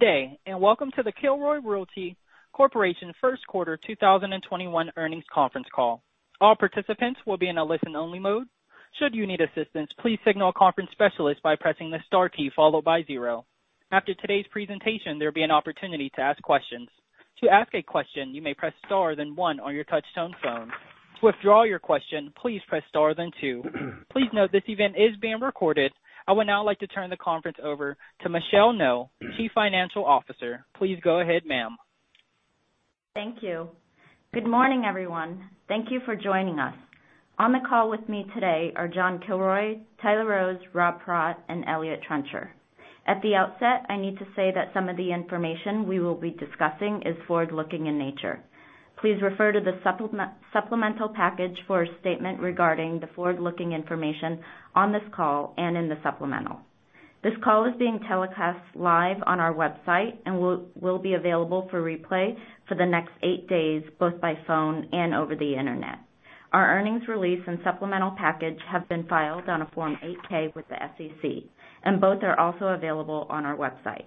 Good day. Welcome to the Kilroy Realty Corporation first quarter 2021 earnings conference call. All participants will be in a listen-only mode. Should you need assistance, please signal a conference specialist by pressing the star key, followed by zero. After today's presentation, there'll be an opportunity to ask questions. To ask a question, you may press star then one on your touchtone phone. To withdraw your question, please press star then two. Please note this event is being recorded. I would now like to turn the conference over to Michelle Ngo, Chief Financial Officer. Please go ahead, ma'am. Thank you. Good morning, everyone. Thank you for joining us. On the call with me today are John Kilroy, Tyler Rose, Rob Paratte, and Eliott Trencher. At the outset, I need to say that some of the information we will be discussing is forward-looking in nature. Please refer to the supplemental package for a statement regarding the forward-looking information on this call and in the supplemental. This call is being telecast live on our website and will be available for replay for the next eight days, both by phone and over the internet. Our earnings release and supplemental package have been filed on a Form 8-K with the SEC, and both are also available on our website.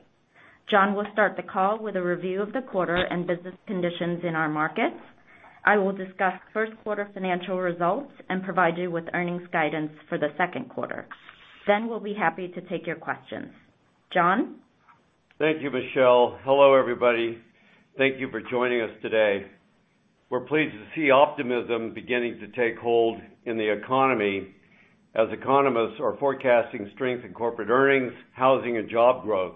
John will start the call with a review of the quarter and business conditions in our markets. I will discuss first quarter financial results and provide you with earnings guidance for the second quarter. We'll be happy to take your questions. John? Thank you, Michelle. Hello, everybody. Thank you for joining us today. We're pleased to see optimism beginning to take hold in the economy, as economists are forecasting strength in corporate earnings, housing, and job growth.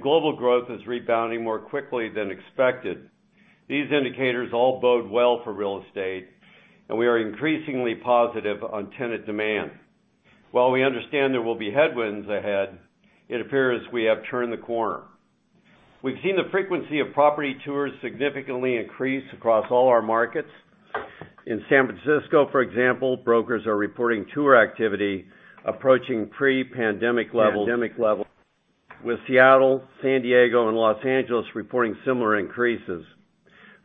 Global growth is rebounding more quickly than expected. These indicators all bode well for real estate, and we are increasingly positive on tenant demand. While we understand there will be headwinds ahead, it appears we have turned the corner. We've seen the frequency of property tours significantly increase across all our markets. In San Francisco, for example, brokers are reporting tour activity approaching pre-pandemic levels, with Seattle, San Diego, and Los Angeles reporting similar increases.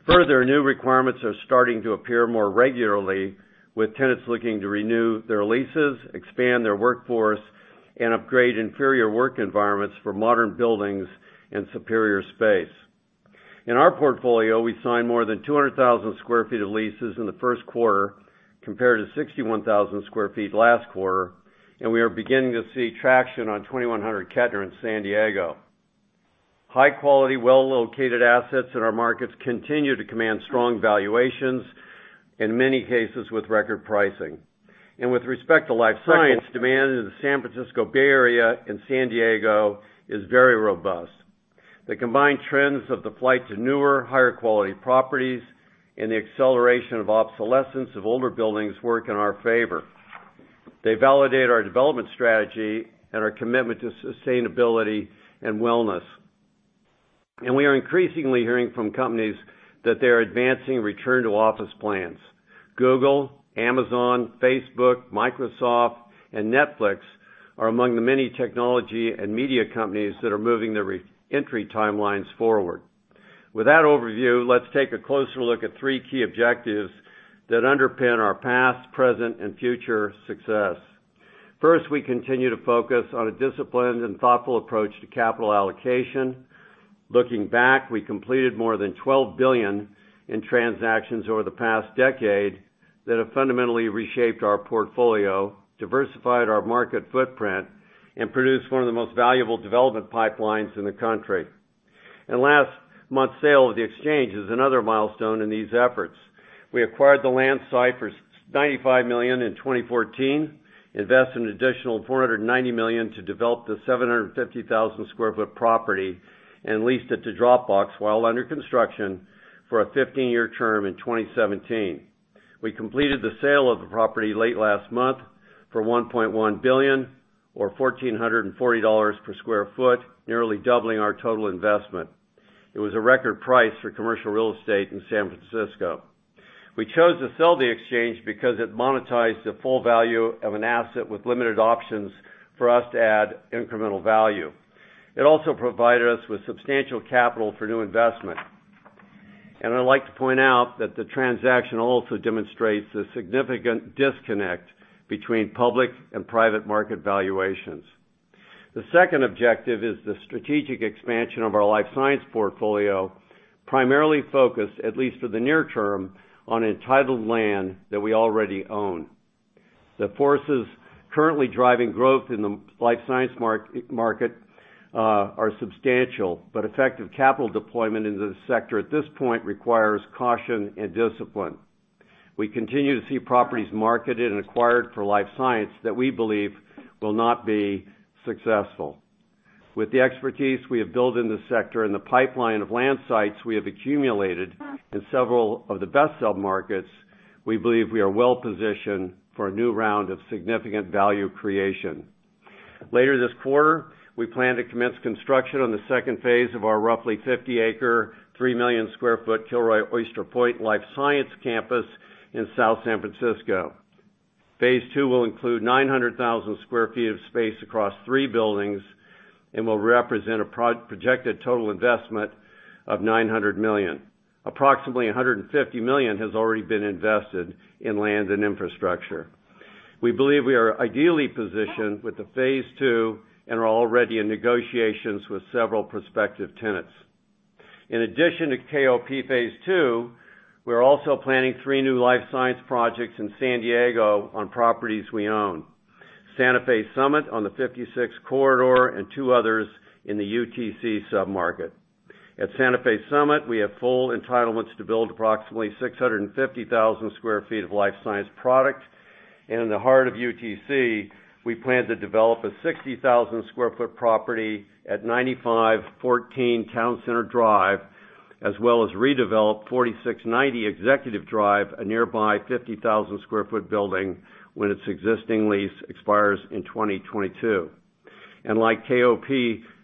Further, new requirements are starting to appear more regularly with tenants looking to renew their leases, expand their workforce, and upgrade inferior work environments for modern buildings and superior space. In our portfolio, we signed more than 200,000 sq ft of leases in the first quarter, compared to 61,000 sq ft last quarter. We are beginning to see traction on 2,100 Kettner in San Diego. High-quality, well-located assets in our markets continue to command strong valuations, in many cases with record pricing. With respect to life science, demand in the San Francisco Bay Area and San Diego is very robust. The combined trends of the flight to newer, higher quality properties and the acceleration of obsolescence of older buildings work in our favor. They validate our development strategy and our commitment to sustainability and wellness. We are increasingly hearing from companies that they're advancing return-to-office plans. Google, Amazon, Facebook, Microsoft, and Netflix are among the many technology and media companies that are moving their re-entry timelines forward. With that overview, let's take a closer look at three key objectives that underpin our past, present, and future success. First, we continue to focus on a disciplined and thoughtful approach to capital allocation. Looking back, we completed more than $12 billion in transactions over the past decade that have fundamentally reshaped our portfolio, diversified our market footprint, and produced one of the most valuable development pipelines in the country. Last month's sale of the Exchange is another milestone in these efforts. We acquired the land site for $95 million in 2014, invested an additional $490 million to develop the 750,000 sq ft property, and leased it to Dropbox while under construction for a 15-year term in 2017. We completed the sale of the property late last month for $1.1 billion or $1,440 per sq ft, nearly doubling our total investment. It was a record price for commercial real estate in San Francisco. We chose to sell the Exchange because it monetized the full value of an asset with limited options for us to add incremental value. I'd like to point out that the transaction also demonstrates the significant disconnect between public and private market valuations. The second objective is the strategic expansion of our life science portfolio, primarily focused, at least for the near term, on entitled land that we already own. The forces currently driving growth in the life science market are substantial, but effective capital deployment into the sector at this point requires caution and discipline. We continue to see properties marketed and acquired for life science that we believe will not be successful. With the expertise we have built in the sector and the pipeline of land sites we have accumulated in several of the best sub-markets, we believe we are well-positioned for a new round of significant value creation. Later this quarter, we plan to commence construction on the second phase of our roughly 50-acre, 3 million-square-foot Kilroy Oyster Point Life Science campus in South San Francisco. Phase two will include 900,000 sq ft of space across three buildings and will represent a projected total investment of $900 million. Approximately $150 million has already been invested in land and infrastructure. We believe we are ideally positioned with the phase two and are already in negotiations with several prospective tenants. In addition to KOP phase two, we are also planning three new life science projects in San Diego on properties we own. Santa Fe Summit on the 56 corridor and two others in the UTC sub-market. At Santa Fe Summit, we have full entitlements to build approximately 650,000 sq ft of life science product. In the heart of UTC, we plan to develop a 60,000 sq ft property at 9514 Town Center Drive, as well as redevelop 4690 Executive Drive, a nearby 50,000 sq ft building, when its existing lease expires in 2022. Like KOP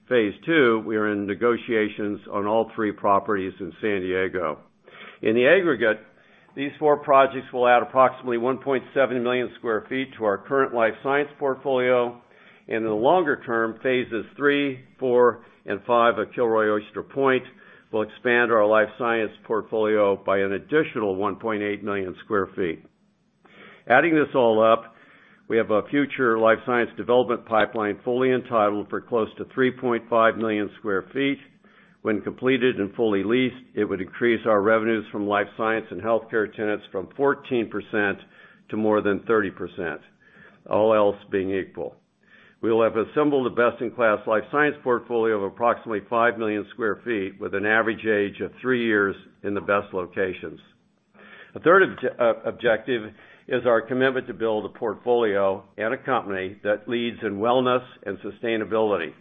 phase two, we are in negotiations on all three properties in San Diego. In the aggregate, these four projects will add approximately 1.7 million sq ft to our current life science portfolio, and in the longer term, phases three, four, and five of Kilroy Oyster Point will expand our life science portfolio by an additional 1.8 million sq ft. Adding this all up, we have a future life science development pipeline fully entitled for close to 3.5 million sq ft. When completed and fully leased, it would increase our revenues from life science and healthcare tenants from 14% to more than 30%, all else being equal. We will have assembled a best-in-class life science portfolio of approximately 5 million sq ft with an average age of three years in the best locations. A third objective is our commitment to build a portfolio and a company that leads in wellness and sustainability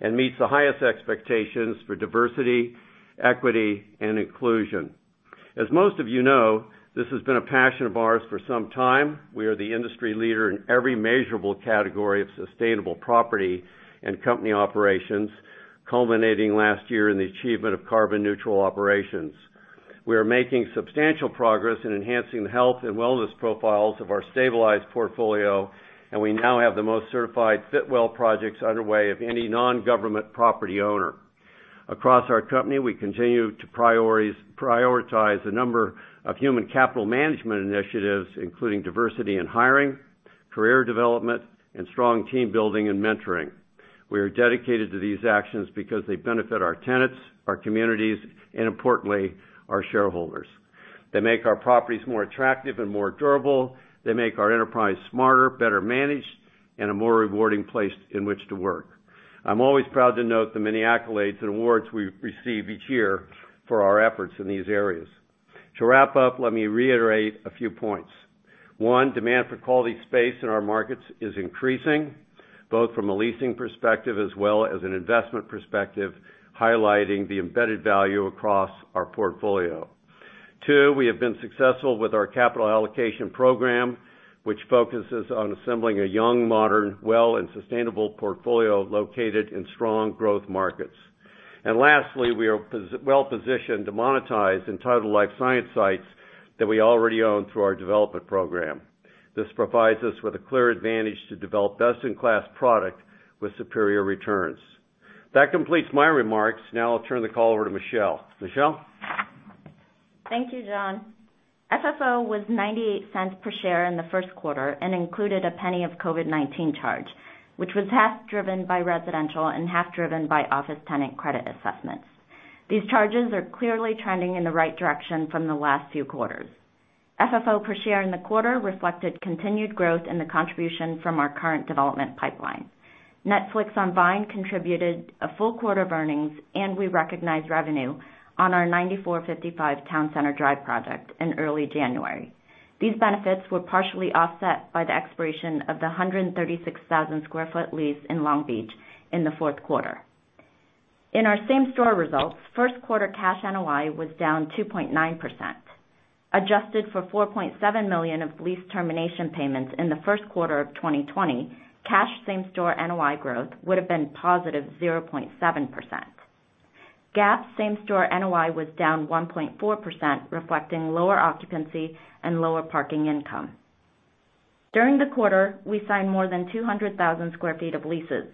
and meets the highest expectations for diversity, equity, and inclusion. As most of you know, this has been a passion of ours for some time. We are the industry leader in every measurable category of sustainable property and company operations, culminating last year in the achievement of carbon neutral operations. We are making substantial progress in enhancing the health and wellness profiles of our stabilized portfolio, and we now have the most certified Fitwel projects underway of any non-government property owner. Across our company, we continue to prioritize a number of human capital management initiatives, including diversity in hiring, career development, and strong team building and mentoring. We are dedicated to these actions because they benefit our tenants, our communities, and importantly, our shareholders. They make our properties more attractive and more durable. They make our enterprise smarter, better managed, and a more rewarding place in which to work. I'm always proud to note the many accolades and awards we receive each year for our efforts in these areas. To wrap up, let me reiterate a few points. One, demand for quality space in our markets is increasing, both from a leasing perspective as well as an investment perspective, highlighting the embedded value across our portfolio. Two, we have been successful with our capital allocation program, which focuses on assembling a young, modern, well, and sustainable portfolio located in strong growth markets. Lastly, we are well-positioned to monetize entitled life science sites that we already own through our development program. This provides us with a clear advantage to develop best-in-class product with superior returns. That completes my remarks. I'll turn the call over to Michelle. Michelle? Thank you, John. FFO was $0.98 per share in the first quarter and included $0.01 of COVID-19 charge, which was half driven by residential and half driven by office tenant credit assessments. These charges are clearly trending in the right direction from the last few quarters. FFO per share in the quarter reflected continued growth in the contribution from our current development pipeline. Netflix on Vine contributed a full quarter of earnings, and we recognized revenue on our 9455 Town Center Drive project in early January. These benefits were partially offset by the expiration of the 136,000 sq ft lease in Long Beach in the fourth quarter. In our same-store results, first quarter cash NOI was down 2.9%. Adjusted for $4.7 million of lease termination payments in the first quarter of 2020, cash same-store NOI growth would have been positive 0.7%. GAAP same-store NOI was down 1.4%, reflecting lower occupancy and lower parking income. During the quarter, we signed more than 200,000 sq ft of leases,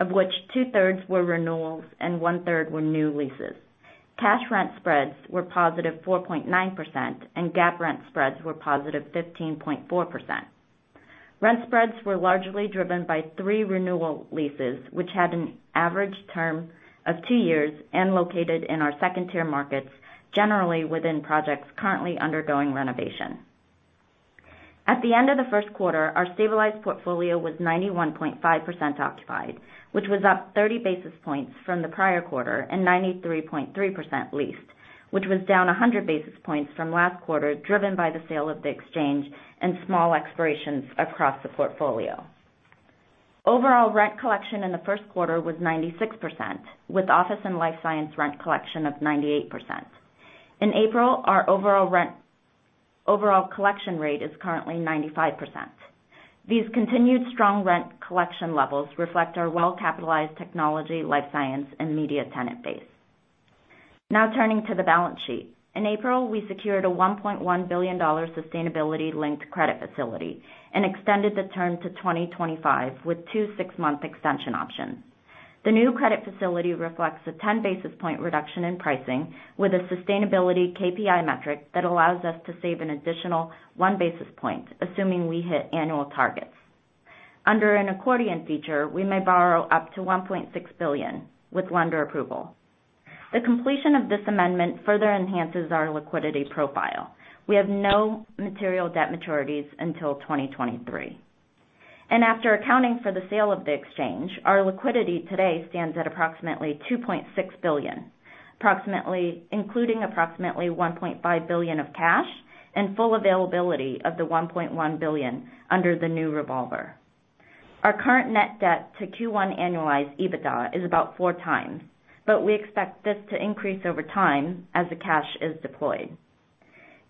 of which 2/3 were renewals and 1/3 were new leases. Cash rent spreads were positive 4.9%, and GAAP rent spreads were positive 15.4%. Rent spreads were largely driven by three renewal leases, which had an average term of two years and located in our second-tier markets, generally within projects currently undergoing renovation. At the end of the first quarter, our stabilized portfolio was 91.5% occupied, which was up 30 basis points from the prior quarter and 93.3% leased, which was down 100 basis points from last quarter, driven by the sale of the Exchange and small expirations across the portfolio. Overall rent collection in the first quarter was 96%, with office and life science rent collection of 98%. In April, our overall collection rate is currently 95%. These continued strong rent collection levels reflect our well-capitalized technology, life science, and media tenant base. Now turning to the balance sheet. In April, we secured a $1.1 billion sustainability-linked credit facility and extended the term to 2025, with two six-month extension options. The new credit facility reflects a 10-basis-point reduction in pricing with a sustainability KPI metric that allows us to save an additional one basis point, assuming we hit annual targets. Under an accordion feature, we may borrow up to $1.6 billion with lender approval. The completion of this amendment further enhances our liquidity profile. We have no material debt maturities until 2023. After accounting for the sale of Jardine, our liquidity today stands at approximately $2.6 billion, including approximately $1.5 billion of cash and full availability of the $1.1 billion under the new revolver. Our current net debt to Q1 annualized EBITDA is about four times, but we expect this to increase over time as the cash is deployed.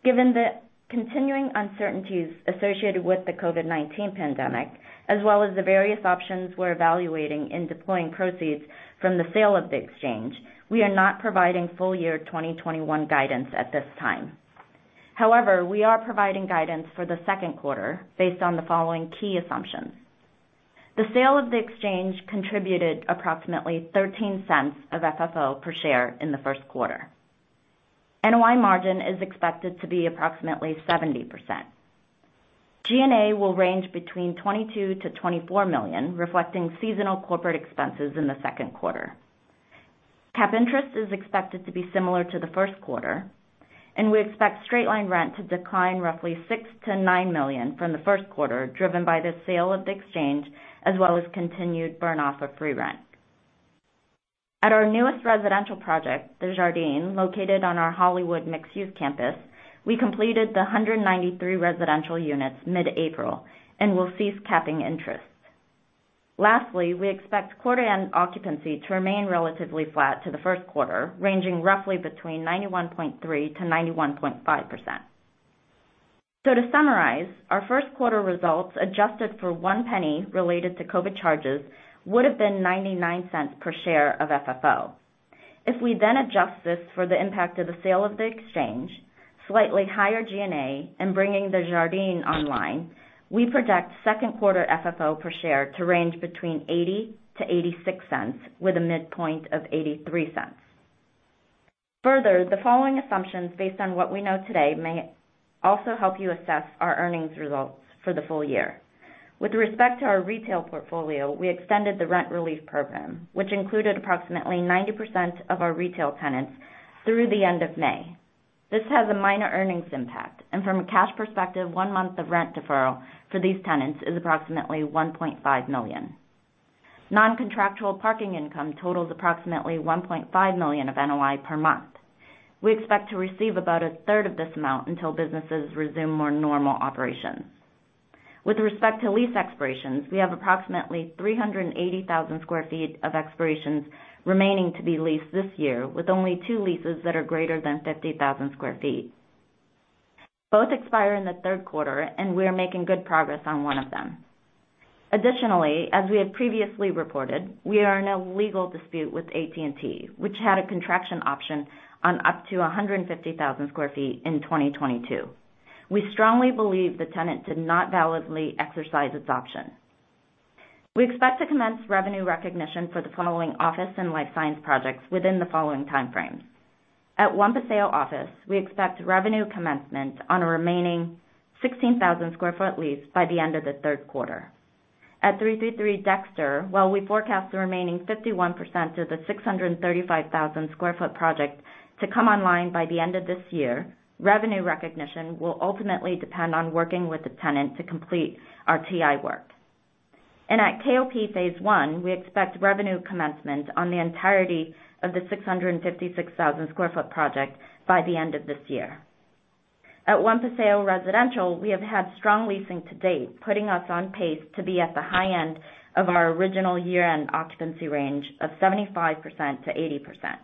Given the continuing uncertainties associated with the COVID-19 pandemic, as well as the various options we're evaluating in deploying proceeds from the sale of the exchange, we are not providing full-year 2021 guidance at this time. However, we are providing guidance for the second quarter based on the following key assumptions. The sale of the exchange contributed approximately $0.13 of FFO per share in the first quarter. NOI margin is expected to be approximately 70%. G&A will range between $22 million-$24 million, reflecting seasonal corporate expenses in the second quarter. capitalized interest is expected to be similar to the first quarter, and we expect straight-line rent to decline roughly $6 million-$9 million from the first quarter, driven by the sale of the exchange, as well as continued burn-off of free rent. At our newest residential project, the Jardine, located on our Hollywood mixed-use campus, we completed the 193 residential units mid-April and will cease capping interest. Lastly, we expect quarter end occupancy to remain relatively flat to the first quarter, ranging roughly between 91.3%-91.5%. To summarize, our first quarter results, adjusted for $0.01 related to COVID-19 charges, would've been $0.99 per share of FFO. If we then adjust this for the impact of the sale of the exchange, slightly higher G&A, and bringing the Jardine online, we project second quarter FFO per share to range between $0.80-$0.86, with a midpoint of $0.83. Further, the following assumptions, based on what we know today, may also help you assess our earnings results for the full year. With respect to our retail portfolio, we extended the rent relief program, which included approximately 90% of our retail tenants through the end of May. This has a minor earnings impact. From a cash perspective, one month of rent deferral for these tenants is approximately $1.5 million. Non-contractual parking income totals approximately $1.5 million of NOI per month. We expect to receive about a third of this amount until businesses resume more normal operations. With respect to lease expirations, we have approximately 380,000 sq ft of expirations remaining to be leased this year, with only two leases that are greater than 50,000 sq ft. Both expire in the third quarter, and we are making good progress on one of them. Additionally, as we had previously reported, we are in a legal dispute with AT&T, which had a contraction option on up to 150,000 sq ft in 2022. We strongly believe the tenant did not validly exercise its option. We expect to commence revenue recognition for the following office and life science projects within the following timeframes. At One Paseo office, we expect revenue commencement on a remaining 16,000-square-foot lease by the end of the third quarter. At 333 Dexter, while we forecast the remaining 51% of the 635,000-square-foot project to come online by the end of this year, revenue recognition will ultimately depend on working with the tenant to complete our TI work. At KOP Phase one, we expect revenue commencement on the entirety of the 656,000-square-foot project by the end of this year. At One Paseo residential, we have had strong leasing to date, putting us on pace to be at the high end of our original year-end occupancy range of 75%-80%.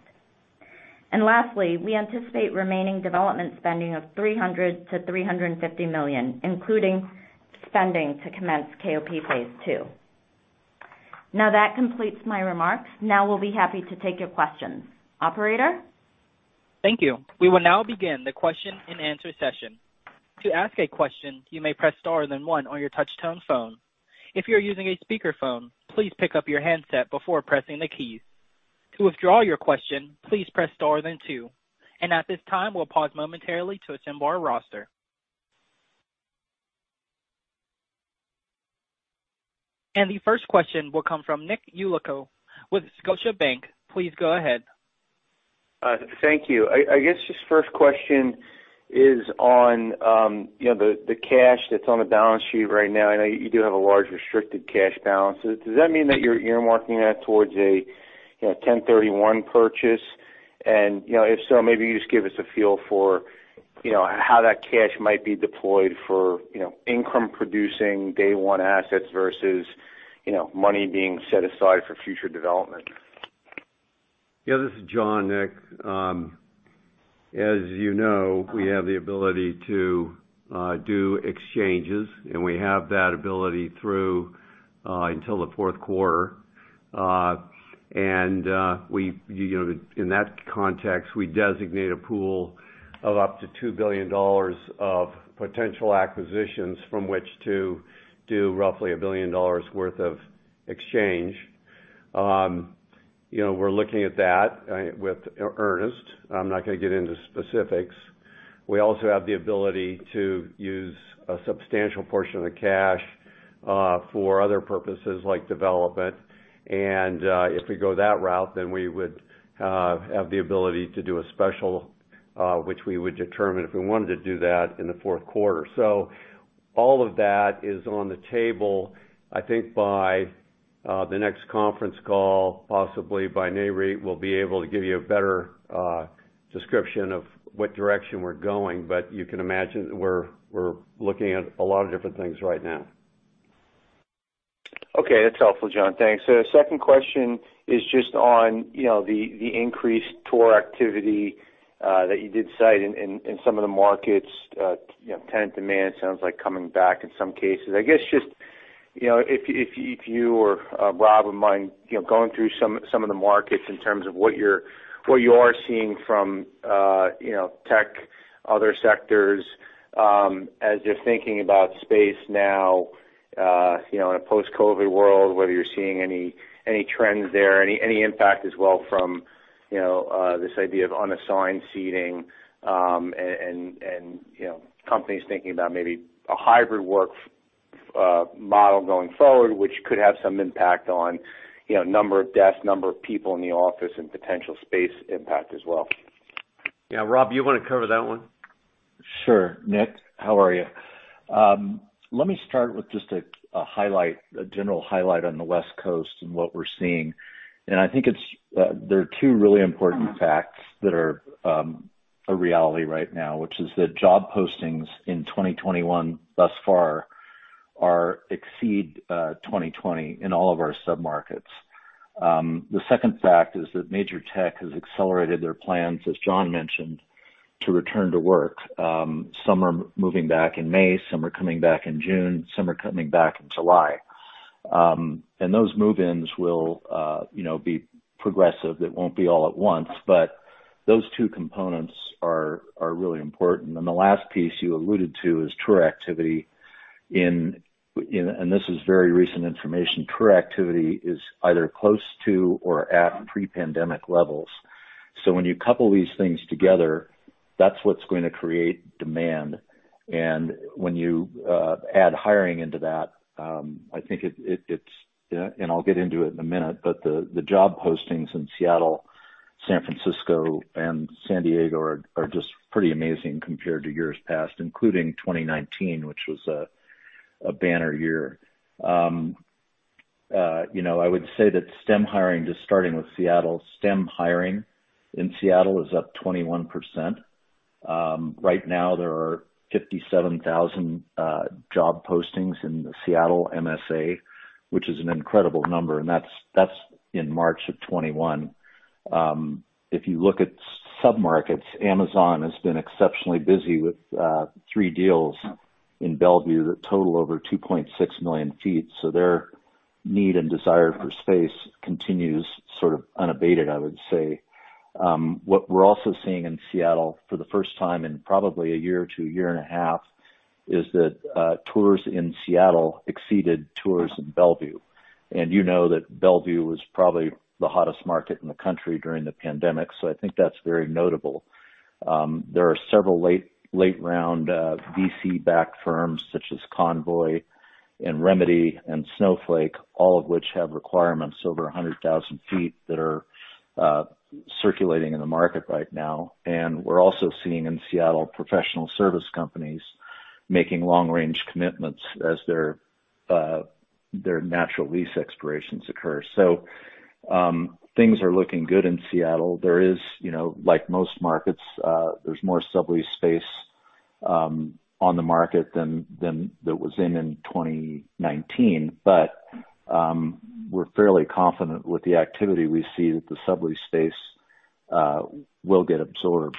Lastly, we anticipate remaining development spending of $300 million-$350 million, including spending to commence KOP Phase two. That completes my remarks. We'll be happy to take your questions. Operator? Thank you. We will now begin the question and answer session. To ask a question, you may press star one then one on your touchtone phone. If you are using a speakerphone, please pick up your headset before pressing the keys. To withdraw your questions, please press star, then two, and at this time we will pause momentarily to attend our roster. The first question will come from Nick Yulico with Scotiabank. Please go ahead. Thank you. I guess this first question is on the cash that's on the balance sheet right now. I know you do have a large restricted cash balance. Does that mean that you're earmarking that towards a 1031 purchase? If so, maybe you just give us a feel for how that cash might be deployed for income-producing day-one assets versus money being set aside for future development. Yeah. This is John, Nick. As you know, we have the ability to do exchanges, and we have that ability through until the fourth quarter. In that context, we designate a pool of up to $2 billion of potential acquisitions from which to do roughly $1 billion worth of exchange. We're looking at that with earnest. I'm not going to get into specifics. We also have the ability to use a substantial portion of the cash for other purposes, like development. If we go that route, then we would have the ability to do a special which we would determine if we wanted to do that in the fourth quarter. All of that is on the table. I think by the next conference call, possibly by Nareit, we'll be able to give you a better description of what direction we're going. You can imagine we're looking at a lot of different things right now. Okay, that's helpful, John. Thanks. The second question is just on the increased tour activity that you did cite in some of the markets. Tenant demand sounds like coming back in some cases. I guess just if you or Rob wouldn't mind going through some of the markets in terms of what you are seeing from tech, other sectors as they're thinking about space now in a post-COVID world, whether you're seeing any trends there, any impact as well from this idea of unassigned seating, and companies thinking about maybe a hybrid work model going forward, which could have some impact on number of desks, number of people in the office, and potential space impact as well. Yeah. Rob, you want to cover that one? Sure. Nick, how are you? Let me start with just a general highlight on the West Coast and what we're seeing. I think there are two really important facts that are a reality right now, which is that job postings in 2021 thus far exceed 2020 in all of our sub-markets. The second fact is that major tech has accelerated their plans, as John mentioned, to return to work. Some are moving back in May, some are coming back in June, some are coming back in July. Those move-ins will be progressive. It won't be all at once. Those two components are really important. The last piece you alluded to is tour activity in, and this is very recent information, tour activity is either close to or at pre-pandemic levels. When you couple these things together, that's what's going to create demand. When you add hiring into that, I think it's, and I'll get into it in a minute, but the job postings in Seattle, San Francisco, and San Diego are just pretty amazing compared to years past, including 2019, which was a banner year. I would say that STEM hiring, just starting with Seattle, STEM hiring in Seattle is up 21%. Right now, there are 57,000 job postings in the Seattle MSA, which is an incredible number, and that's in March of 2021. If you look at sub-markets, Amazon has been exceptionally busy with three deals in Bellevue that total over 2.6 million sq ft. Their need and desire for space continues sort of unabated, I would say. What we're also seeing in Seattle for the first time in probably a year or two, a year and a half, is that tours in Seattle exceeded tours in Bellevue. You know that Bellevue was probably the hottest market in the country during the pandemic. I think that's very notable. There are several late-round VC-backed firms such as Convoy and Remitly and Snowflake, all of which have requirements over 100,000 feet that are circulating in the market right now. We're also seeing in Seattle professional service companies making long-range commitments as their natural lease expirations occur. Things are looking good in Seattle. There is, like most markets, there's more sublease space on the market than there was in 2019. We're fairly confident with the activity we see that the sublease space will get absorbed.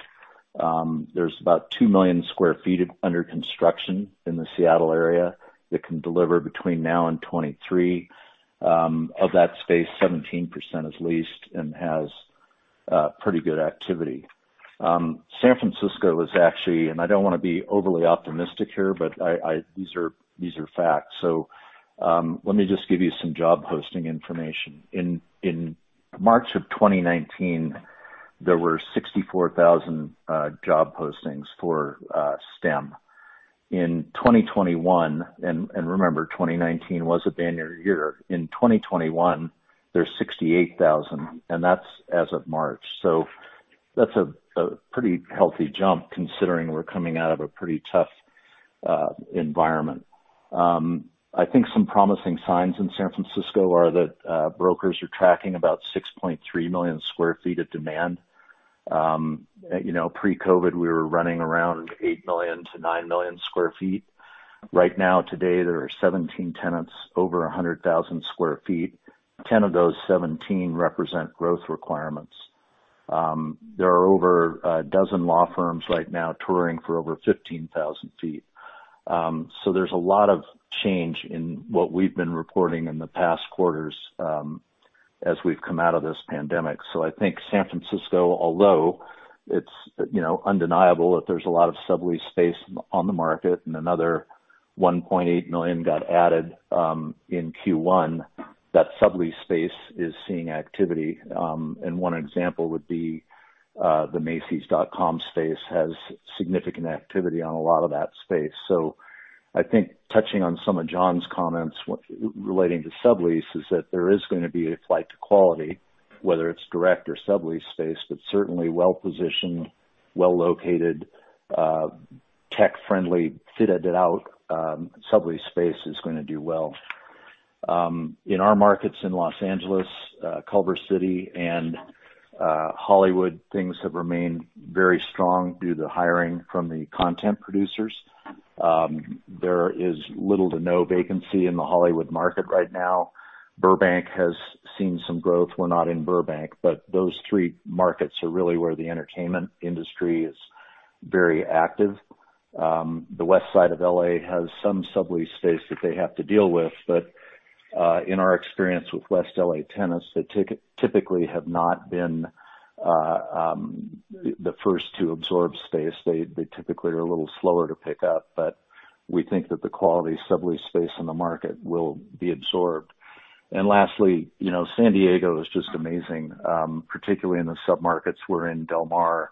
There's about 2 million sq ft under construction in the Seattle area that can deliver between now and 2023. Of that space, 17% is leased and has pretty good activity. San Francisco is actually, and I don't want to be overly optimistic here, these are facts. Let me just give you some job posting information. In March 2019, there were 64,000 job postings for STEM. In 2021, remember, 2019 was a banner year. In 2021, there's 68,000, that's as of March. That's a pretty healthy jump considering we're coming out of a pretty tough environment. I think some promising signs in San Francisco are that brokers are tracking about 6.3 million sq ft of demand. Pre-COVID, we were running around 8 million to 9 million sq ft. Right now, today, there are 17 tenants over 100,000 sq ft. 10 of those 17 represent growth requirements. There are over a dozen law firms right now touring for over 15,000 feet. There's a lot of change in what we've been reporting in the past quarters as we've come out of this pandemic. I think San Francisco, although it's undeniable that there's a lot of sublease space on the market and another 1.8 million got added in Q1. That sublease space is seeing activity. One example would be the macys.com space has significant activity on a lot of that space. I think touching on some of John's comments relating to sublease is that there is going to be a flight to quality, whether it's direct or sublease space, but certainly well-positioned, well-located, tech-friendly, fitted-out sublease space is going to do well. In our markets in Los Angeles, Culver City, and Hollywood, things have remained very strong due to hiring from the content producers. There is little to no vacancy in the Hollywood market right now. Burbank has seen some growth. We're not in Burbank. Those three markets are really where the entertainment industry is very active. The West Side of L.A. has some sublease space that they have to deal with, but in our experience with West L.A. tenants, they typically have not been the first to absorb space. They typically are a little slower to pick up, but we think that the quality sublease space in the market will be absorbed. Lastly, San Diego is just amazing, particularly in the sub-markets. We're in Del Mar,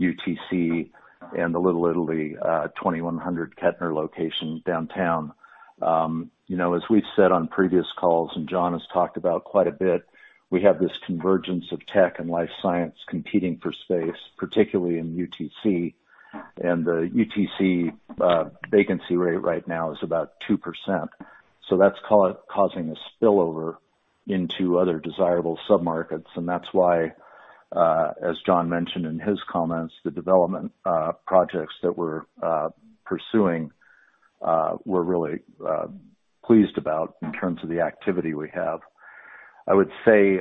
UTC, and the Little Italy, 2100 Kettner location downtown. As we've said on previous calls, and John has talked about quite a bit, we have this convergence of tech and life science competing for space, particularly in UTC. The UTC vacancy rate right now is about 2%. That's causing a spillover into other desirable sub-markets, and that's why, as John mentioned in his comments, the development projects that we're pursuing, we're really pleased about in terms of the activity we have. I would say,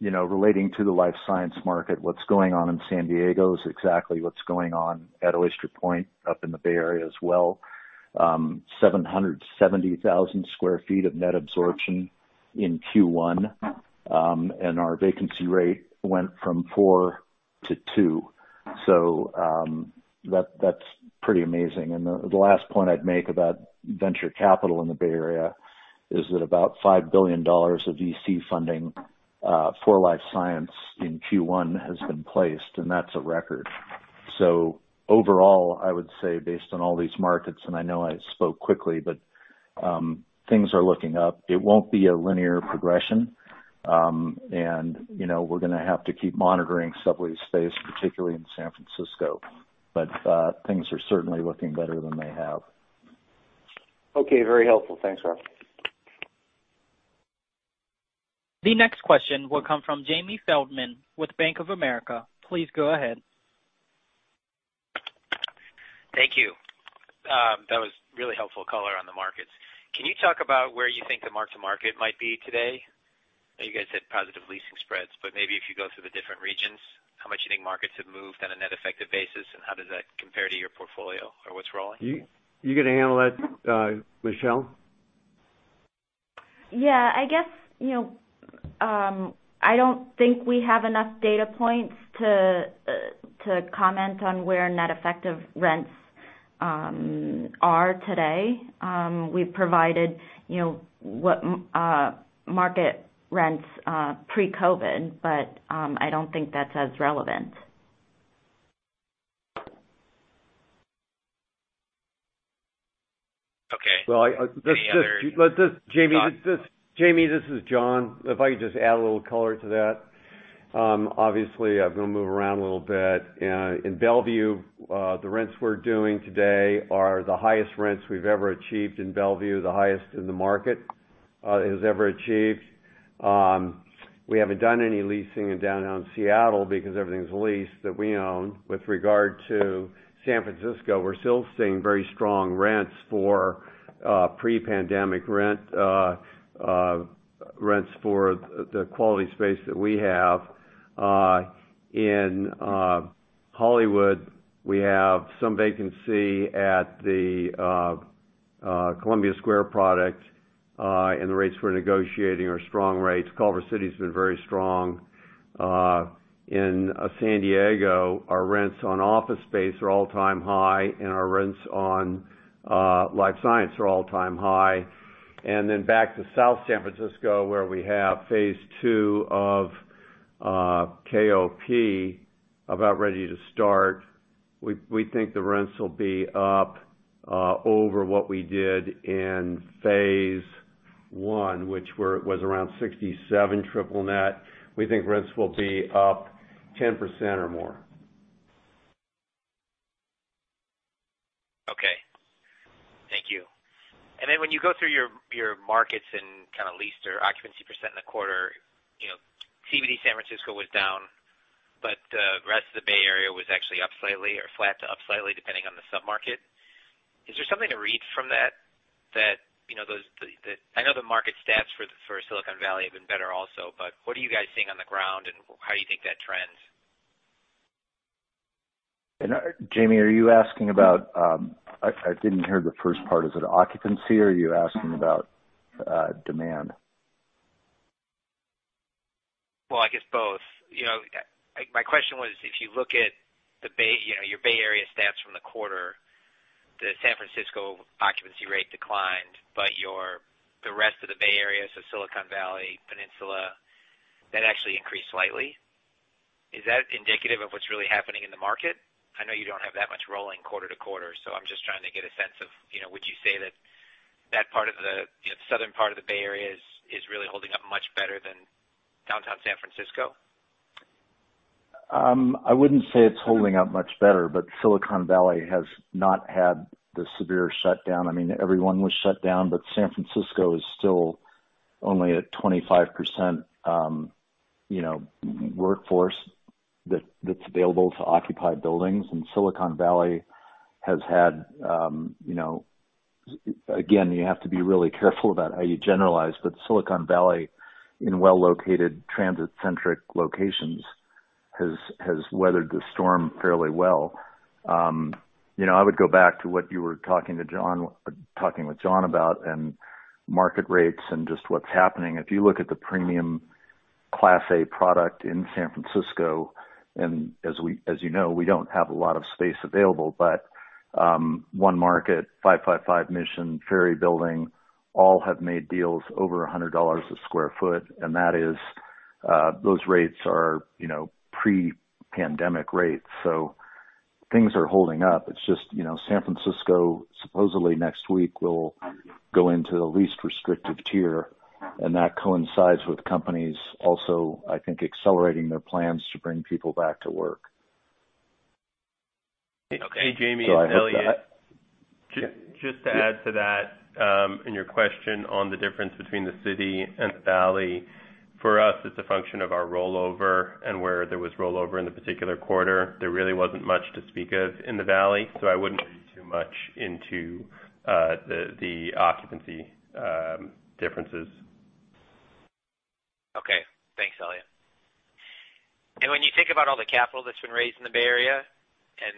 relating to the life science market, what's going on in San Diego is exactly what's going on at Oyster Point up in the Bay Area as well. 770,000 sq ft of net absorption in Q1, and our vacancy rate went from four to two. That's pretty amazing. The last point I'd make about venture capital in the Bay Area is that about $5 billion of VC funding for life science in Q1 has been placed, and that's a record. Overall, I would say based on all these markets, and I know I spoke quickly, but things are looking up. It won't be a linear progression. We're going to have to keep monitoring sublease space, particularly in San Francisco. Things are certainly looking better than they have. Okay. Very helpful. Thanks, Rob. The next question will come from Jamie Feldman with Bank of America. Please go ahead. Thank you. That was really helpful color on the markets. Can you talk about where you think the mark-to-market might be today? I know you guys said positive leasing spreads, but maybe if you go through the different regions, how much do you think markets have moved on a net effective basis, and how does that compare to your portfolio or what's rolling? You going to handle that, Michelle? I guess, I don't think we have enough data points to comment on where net effective rents are today. We've provided what market rents pre-COVID, but I don't think that's as relevant. Okay. Any other thoughts? Jamie, this is John. If I could just add a little color to that. Obviously, I'm going to move around a little bit. In Bellevue, the rents we're doing today are the highest rents we've ever achieved in Bellevue, the highest the market has ever achieved. We haven't done any leasing in downtown Seattle because everything's leased that we own. With regard to San Francisco, we're still seeing very strong rents for pre-pandemic rents for the quality space that we have. In Hollywood, we have some vacancy at the Columbia Square product, and the rates we're negotiating are strong rates. Culver City's been very strong. In San Diego, our rents on office space are all-time high, and our rents on life science are all-time high. Back to South San Francisco, where we have phase two of KOP about ready to start. We think the rents will be up over what we did in phase one, which was around $67 triple net. We think rents will be up 10% or more. Okay. Thank you. When you go through your markets and kind of leased or occupancy percent in the quarter, CBD San Francisco was down, but the rest of the Bay Area was actually up slightly or flat to up slightly, depending on the sub-market. Is there something to read from that? I know the market stats for Silicon Valley have been better also, but what are you guys seeing on the ground, and how do you think that trends? Jamie, are you asking about I didn't hear the first part. Is it occupancy, or are you asking about demand? I guess both. My question was, if you look at your Bay Area stats from the quarter, the San Francisco occupancy rate declined. The rest of the Bay Area, so Silicon Valley, Peninsula, that actually increased slightly. Is that indicative of what's really happening in the market? I know you don't have that much rolling quarter to quarter, so I'm just trying to get a sense of, would you say that that part of the southern part of the Bay Area is really holding up much better than downtown San Francisco? I wouldn't say it's holding up much better, but Silicon Valley has not had the severe shutdown. Everyone was shut down, but San Francisco is still only at 25% workforce that's available to occupy buildings. Silicon Valley has had Again, you have to be really careful about how you generalize, but Silicon Valley, in well-located transit-centric locations, has weathered the storm fairly well. I would go back to what you were talking with John about, and market rates, and just what's happening. If you look at the premium Class A product in San Francisco, and as you know, we don't have a lot of space available, but One Market, 555 Mission, Ferry Building, all have made deals over $100 a sq ft, and those rates are pre-pandemic rates. Things are holding up. It's just San Francisco, supposedly next week, will go into the least restrictive tier. That coincides with companies also, I think, accelerating their plans to bring people back to work. Okay, Jamie- So I hope that- Just to add to that, in your question on the difference between the city and the Valley. For us, it's a function of our rollover and where there was rollover in the particular quarter. There really wasn't much to speak of in the Valley, so I wouldn't read too much into the occupancy differences. Okay. Thanks, Eliott. When you think about all the capital that's been raised in the Bay Area, and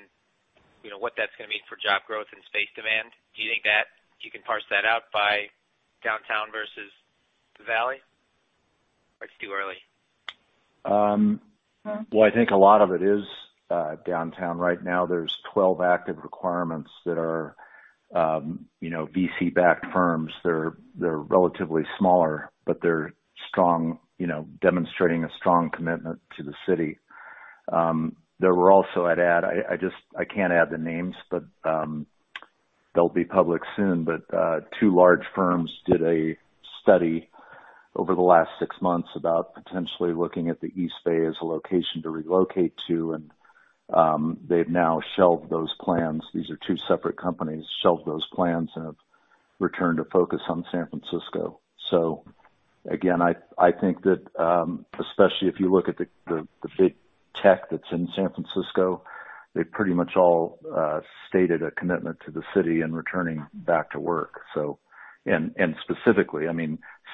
what that's going to mean for job growth and space demand, do you think that you can parse that out by downtown versus the Valley, or it's too early? Well, I think a lot of it is downtown right now. There's 12 active requirements that are VC-backed firms. They're relatively smaller, but they're demonstrating a strong commitment to the city. There were also, I'd add, I can't add the names, but they'll be public soon. Two large firms did a study over the last six months about potentially looking at the East Bay as a location to relocate to, and they've now shelved those plans. These are two separate companies, shelved those plans, and have returned to focus on San Francisco. Again, I think that, especially if you look at the big tech that's in San Francisco, they pretty much all stated a commitment to the city in returning back to work. Specifically,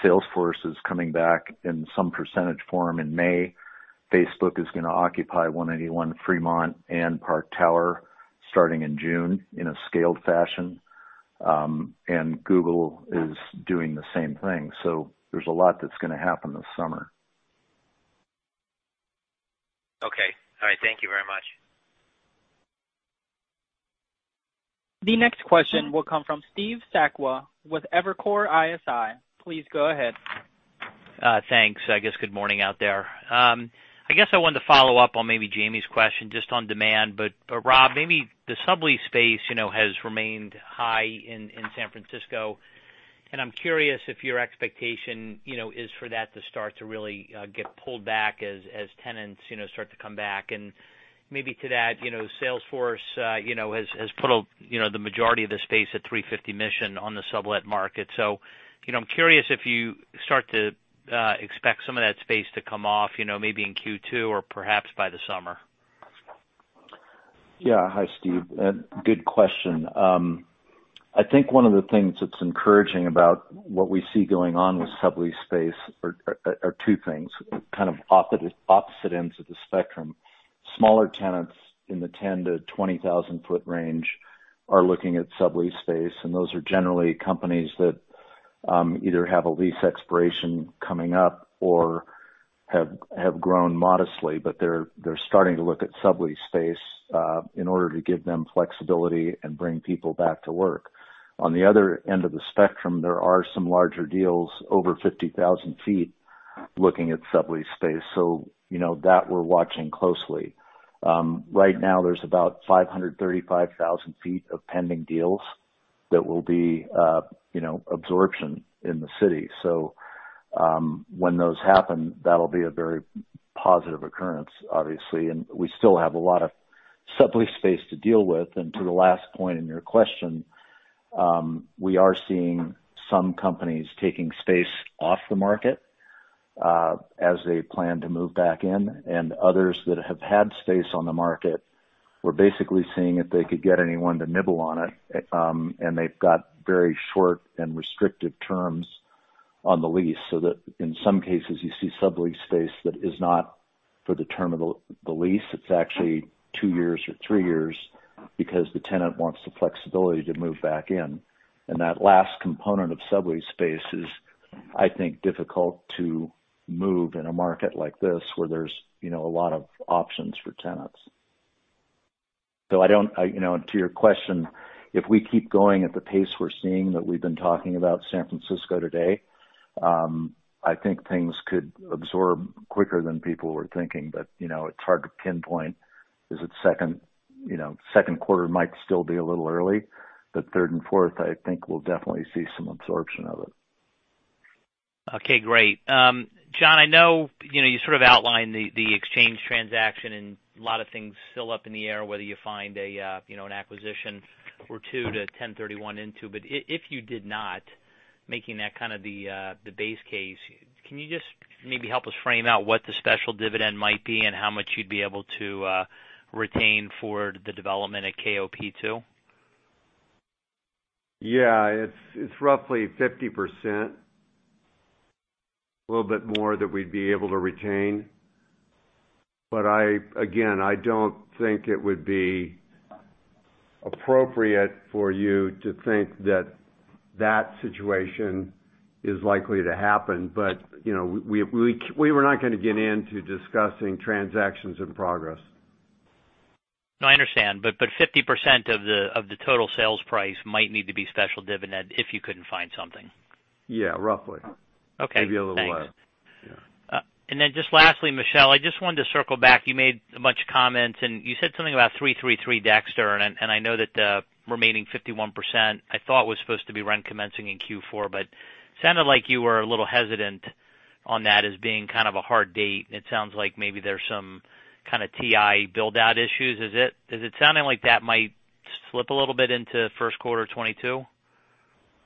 Salesforce is coming back in some percentage form in May. Facebook is going to occupy 181 Fremont and Park Tower starting in June in a scaled fashion. Google is doing the same thing. There's a lot that's going to happen this summer. Okay. All right. Thank you very much. The next question will come from Steve Sakwa with Evercore ISI. Please go ahead. Thanks. I guess good morning out there. I guess I wanted to follow up on maybe Jamie's question just on demand. Rob, maybe the sublease space has remained high in San Francisco, and I'm curious if your expectation is for that to start to really get pulled back as tenants start to come back. Maybe to that, Salesforce has put the majority of the space at 350 Mission on the sublet market. I'm curious if you start to expect some of that space to come off, maybe in Q2 or perhaps by the summer. Yeah. Hi, Steve. Good question. I think one of the things that's encouraging about what we see going on with sublease space are two things, kind of opposite ends of the spectrum. Smaller tenants in the 10,000-20,000-foot range are looking at sublease space. Those are generally companies that either have a lease expiration coming up or have grown modestly. They're starting to look at sublease space in order to give them flexibility and bring people back to work. On the other end of the spectrum, there are some larger deals over 50,000 feet looking at sublease space. That we're watching closely. Right now, there's about 535,000 feet of pending deals that will be absorption in the city. When those happen, that'll be a very positive occurrence, obviously. We still have a lot of sublease space to deal with. To the last point in your question, we are seeing some companies taking space off the market as they plan to move back in. Others that have had space on the market, we're basically seeing if they could get anyone to nibble on it, and they've got very short and restrictive terms on the lease, so that in some cases, you see sublease space that is not for the term of the lease, it's actually two years or three years because the tenant wants the flexibility to move back in. That last component of sublease space is, I think, difficult to move in a market like this, where there's a lot of options for tenants. To your question, if we keep going at the pace we're seeing that we've been talking about San Francisco today, I think things could absorb quicker than people were thinking. It's hard to pinpoint. Is it second quarter? Might still be a little early, but third and fourth, I think we'll definitely see some absorption of it. Okay, great. John, I know you sort of outlined the exchange transaction and a lot of things still up in the air, whether you find an acquisition or two to 1031 into, but if you did not, making that kind of the base case, can you just maybe help us frame out what the special dividend might be and how much you'd be able to retain for the development at KOP two? Yeah. It's roughly 50%, a little bit more that we'd be able to retain. Again, I don't think it would be appropriate for you to think that that situation is likely to happen. We were not going to get into discussing transactions in progress. No, I understand. 50% of the total sales price might need to be special dividend if you couldn't find something. Yeah, roughly. Okay. Maybe a little less. Yeah. Just lastly, Michelle, I just wanted to circle back. You made a bunch of comments, you said something about 333 Dexter, I know that the remaining 51%, I thought was supposed to be rent commencing in Q4, sounded like you were a little hesitant on that as being kind of a hard date. It sounds like maybe there's some kind of TI build-out issues. Is it sounding like that might slip a little bit into first quarter 2022?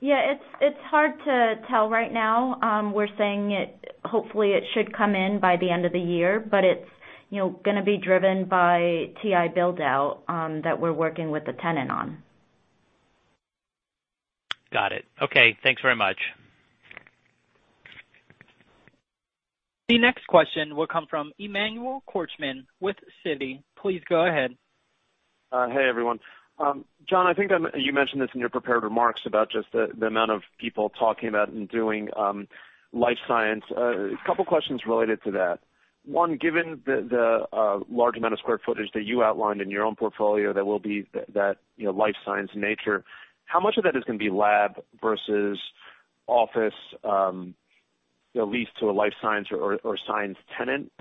Yeah. It's hard to tell right now. We're saying hopefully it should come in by the end of the year, but it's going to be driven by TI build-out that we're working with the tenant on. Got it. Okay. Thanks very much. The next question will come from Emmanuel Korchman with Citi. Please go ahead. Hey, everyone. John, I think you mentioned this in your prepared remarks about just the amount of people talking about and doing life science. A couple of questions related to that. One, given the large amount of square footage that you outlined in your own portfolio that will be that life science nature, how much of that is going to be lab versus office lease to a life science or science tenant?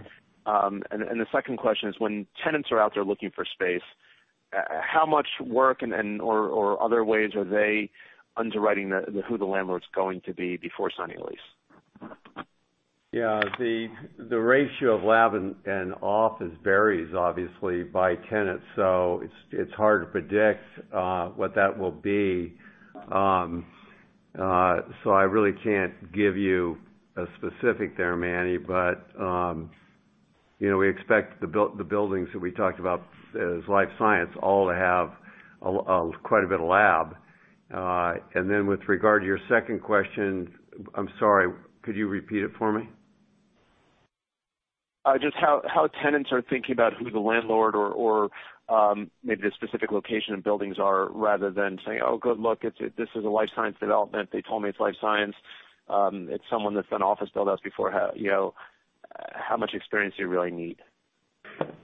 The second question is, when tenants are out there looking for space, how much work or other ways are they underwriting who the landlord's going to be before signing a lease? Yeah. The ratio of lab and office varies, obviously, by tenant. It's hard to predict what that will be. I really can't give you a specific there, Manny. We expect the buildings that we talked about as life science all to have quite a bit of lab. With regard to your second question, I'm sorry, could you repeat it for me? Just how tenants are thinking about who the landlord or maybe the specific location of buildings are, rather than saying, Oh, good. Look, this is a life science development. They told me it's life science. It's someone that's done office build-outs before. How much experience do you really need?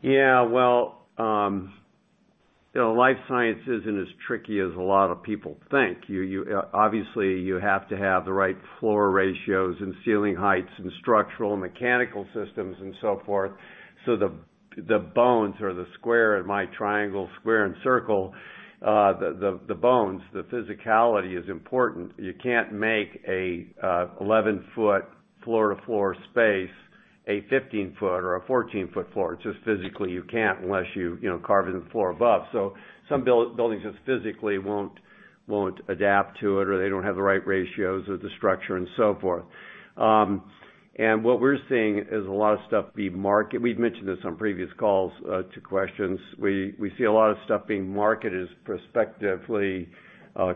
Yeah. Well, life science isn't as tricky as a lot of people think. Obviously, you have to have the right floor ratios and ceiling heights and structural mechanical systems and so forth. The bones or the square in my triangle, square, and circle. The bones, the physicality is important. You can't make an 11-foot floor-to-floor space a 15-foot or a 14-foot floor. Just physically, you can't, unless you carve into the floor above. Some buildings just physically won't adapt to it, or they don't have the right ratios or the structure and so forth. What we're seeing is a lot of stuff being. We've mentioned this on previous calls to questions. We see a lot of stuff being marketed as prospectively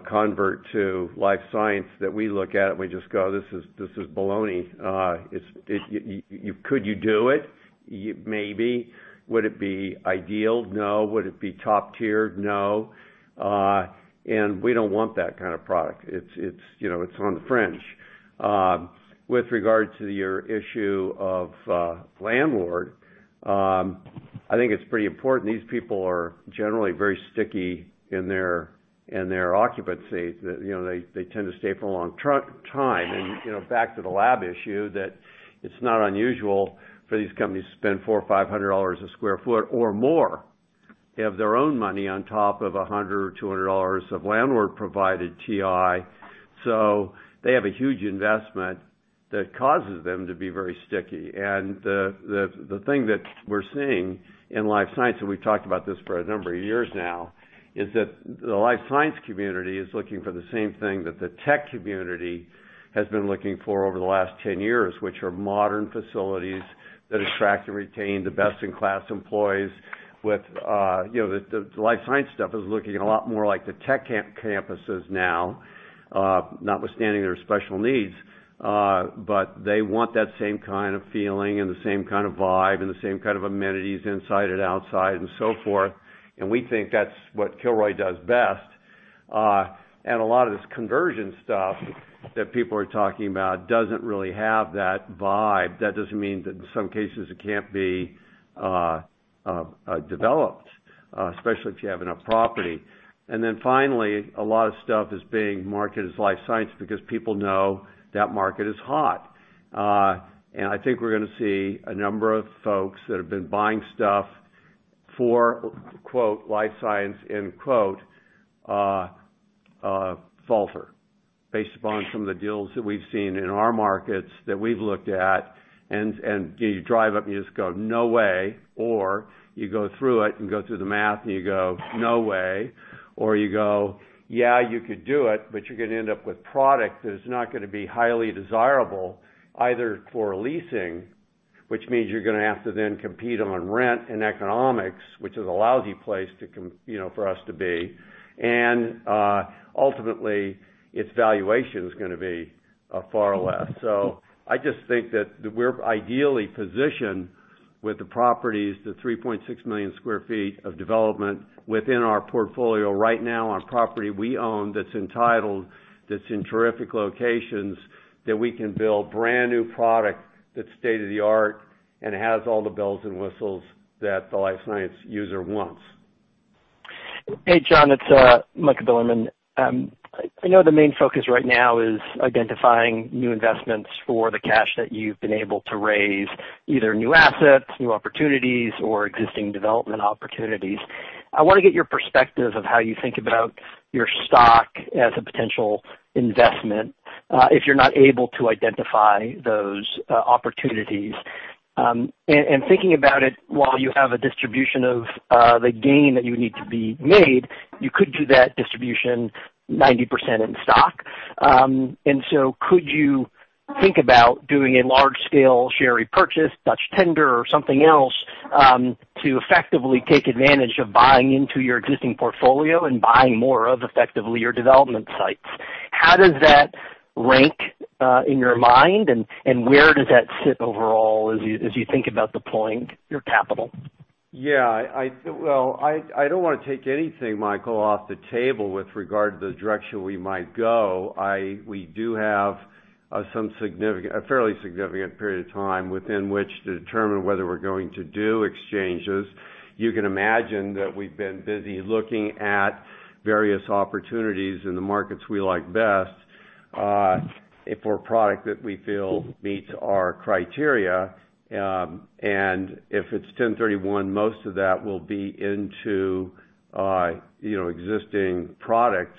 convert to life science that we look at and we just go, This is baloney. Could you do it? Maybe. Would it be ideal? No. Would it be top tier? No. We don't want that kind of product. It's on the fringe. With regard to your issue of landlord, I think it's pretty important. These people are generally very sticky in their occupancy. They tend to stay for a long time. Back to the lab issue, that it's not unusual for these companies to spend $400 or $500 a sq ft or more of their own money on top of $100 or $200 of landlord-provided TI. They have a huge investment that causes them to be very sticky. The thing that we're seeing in life science, and we've talked about this for a number of years now, is that the life science community is looking for the same thing that the tech community has been looking for over the last 10 years, which are modern facilities that attract and retain the best-in-class employees. With the life science stuff is looking a lot more like the tech campuses now, notwithstanding their special needs. They want that same kind of feeling and the same kind of vibe, and the same kind of amenities inside and outside, and so forth. We think that's what Kilroy does best. A lot of this conversion stuff that people are talking about doesn't really have that vibe. That doesn't mean that in some cases it can't be developed, especially if you have enough property. Finally, a lot of stuff is being marketed as life science because people know that market is hot. I think we're going to see a number of folks that have been buying stuff for life science falter based upon some of the deals that we've seen in our markets that we've looked at. You drive up, and you just go, No way. You go through it and go through the math and you go, No way. You go, Yeah, you could do it, but you're going to end up with product that is not going to be highly desirable either for leasing. Which means you're going to have to then compete on rent and economics, which is a lousy place for us to be. Ultimately, its valuation is going to be far less. I just think that we're ideally positioned with the properties, the 3.6 million sq ft of development within our portfolio right now on property we own that's entitled, that's in terrific locations, that we can build brand new product that's state-of-the-art and has all the bells and whistles that the life science user wants. Hey, John, it's Michael Bilerman. I know the main focus right now is identifying new investments for the cash that you've been able to raise, either new assets, new opportunities, or existing development opportunities. I want to get your perspective of how you think about your stock as a potential investment, if you're not able to identify those opportunities. Thinking about it while you have a distribution of the gain that you need to be made, you could do that distribution 90% in stock. Could you think about doing a large-scale share repurchase, Dutch tender, or something else to effectively take advantage of buying into your existing portfolio and buying more of, effectively, your development sites? How does that rank in your mind and where does that sit overall as you think about deploying your capital? Yeah. Well, I don't want to take anything, Michael, off the table with regard to the direction we might go. We do have a fairly significant period of time within which to determine whether we're going to do exchanges. You can imagine that we've been busy looking at various opportunities in the markets we like best, for a product that we feel meets our criteria. If it's 1031, most of that will be into existing product.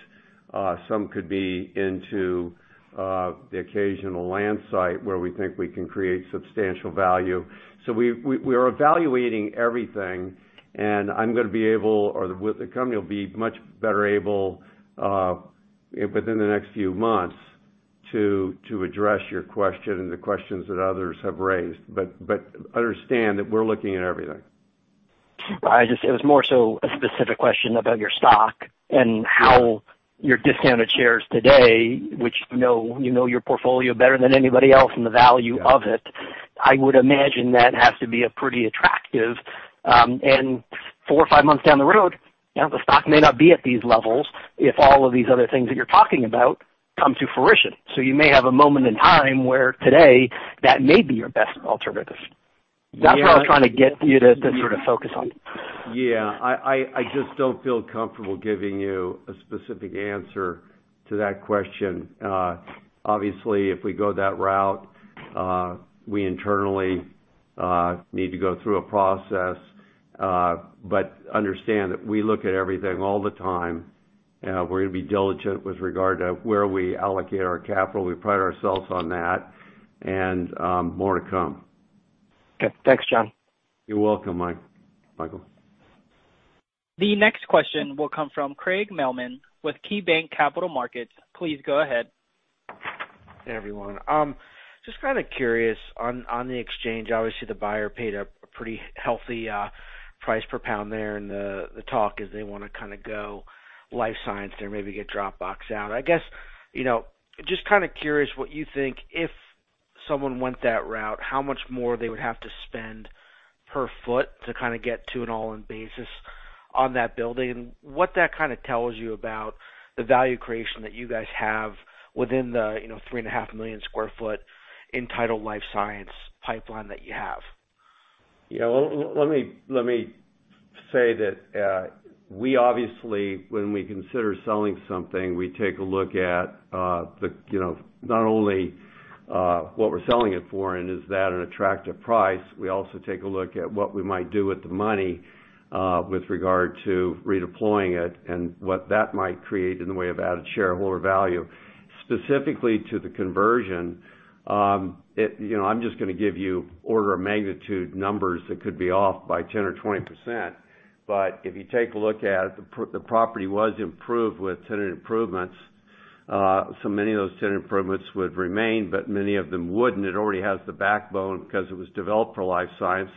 Some could be into the occasional land site where we think we can create substantial value. We are evaluating everything, and the company will be much better able, within the next few months, to address your question and the questions that others have raised. Understand that we're looking at everything. It was more so a specific question about your stock and how you are discounted shares today, which you know your portfolio better than anybody else and the value of it. Yeah. I would imagine that has to be pretty attractive. Four or five months down the road, the stock may not be at these levels if all of these other things that you're talking about come to fruition. You may have a moment in time where today, that may be your best alternative. Yeah. That's what I was trying to get you to sort of focus on. Yeah. I just don't feel comfortable giving you a specific answer to that question. Obviously, if we go that route, we internally need to go through a process. Understand that we look at everything all the time. We're going to be diligent with regard to where we allocate our capital. We pride ourselves on that, and more to come. Okay. Thanks, John. You're welcome, Michael. The next question will come from Craig Mailman with KeyBanc Capital Markets. Please go ahead. Hey, everyone. Just kind of curious on the exchange, obviously the buyer paid a pretty healthy price per pound there, and the talk is they want to kind of go life science there, maybe get Dropbox out. I guess, just kind of curious what you think if someone went that route, how much more they would have to spend per foot to kind of get to an all-in basis on that building, and what that kind of tells you about the value creation that you guys have within the 3.5 million sq ft entitled life science pipeline that you have? Let me say that, we obviously, when we consider selling something, we take a look at not only what we're selling it for and is that an attractive price, we also take a look at what we might do with the money, with regard to redeploying it and what that might create in the way of added shareholder value. Specifically to the conversion, I'm just going to give you order of magnitude numbers that could be off by 10% or 20%. If you take a look at it, the property was improved with tenant improvements. So many of those tenant improvements would remain, but many of them wouldn't. It already has the backbone because it was developed for life science.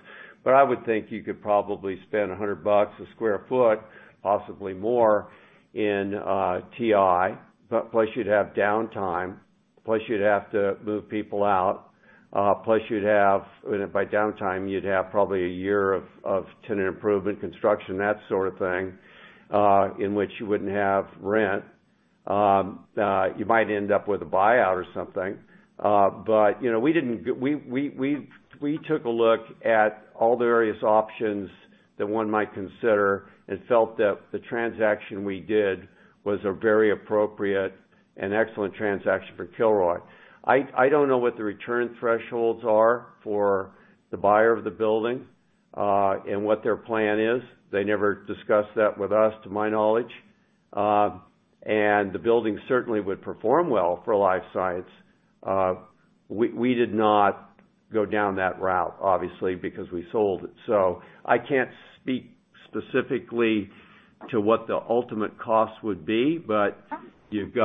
I would think you could probably spend $100 a sq ft, possibly more, in TI. Plus you'd have downtime. Plus you'd have to move people out. You'd have, by downtime, you'd have probably a year of tenant improvement construction, that sort of thing, in which you wouldn't have rent. You might end up with a buyout or something. We took a look at all the various options that one might consider and felt that the transaction we did was a very appropriate and excellent transaction for Kilroy. I don't know what the return thresholds are for the buyer of the building, and what their plan is. They never discussed that with us, to my knowledge. The building certainly would perform well for life science. We did not go down that route, obviously, because we sold it. I can't speak specifically to what the ultimate cost would be. If you just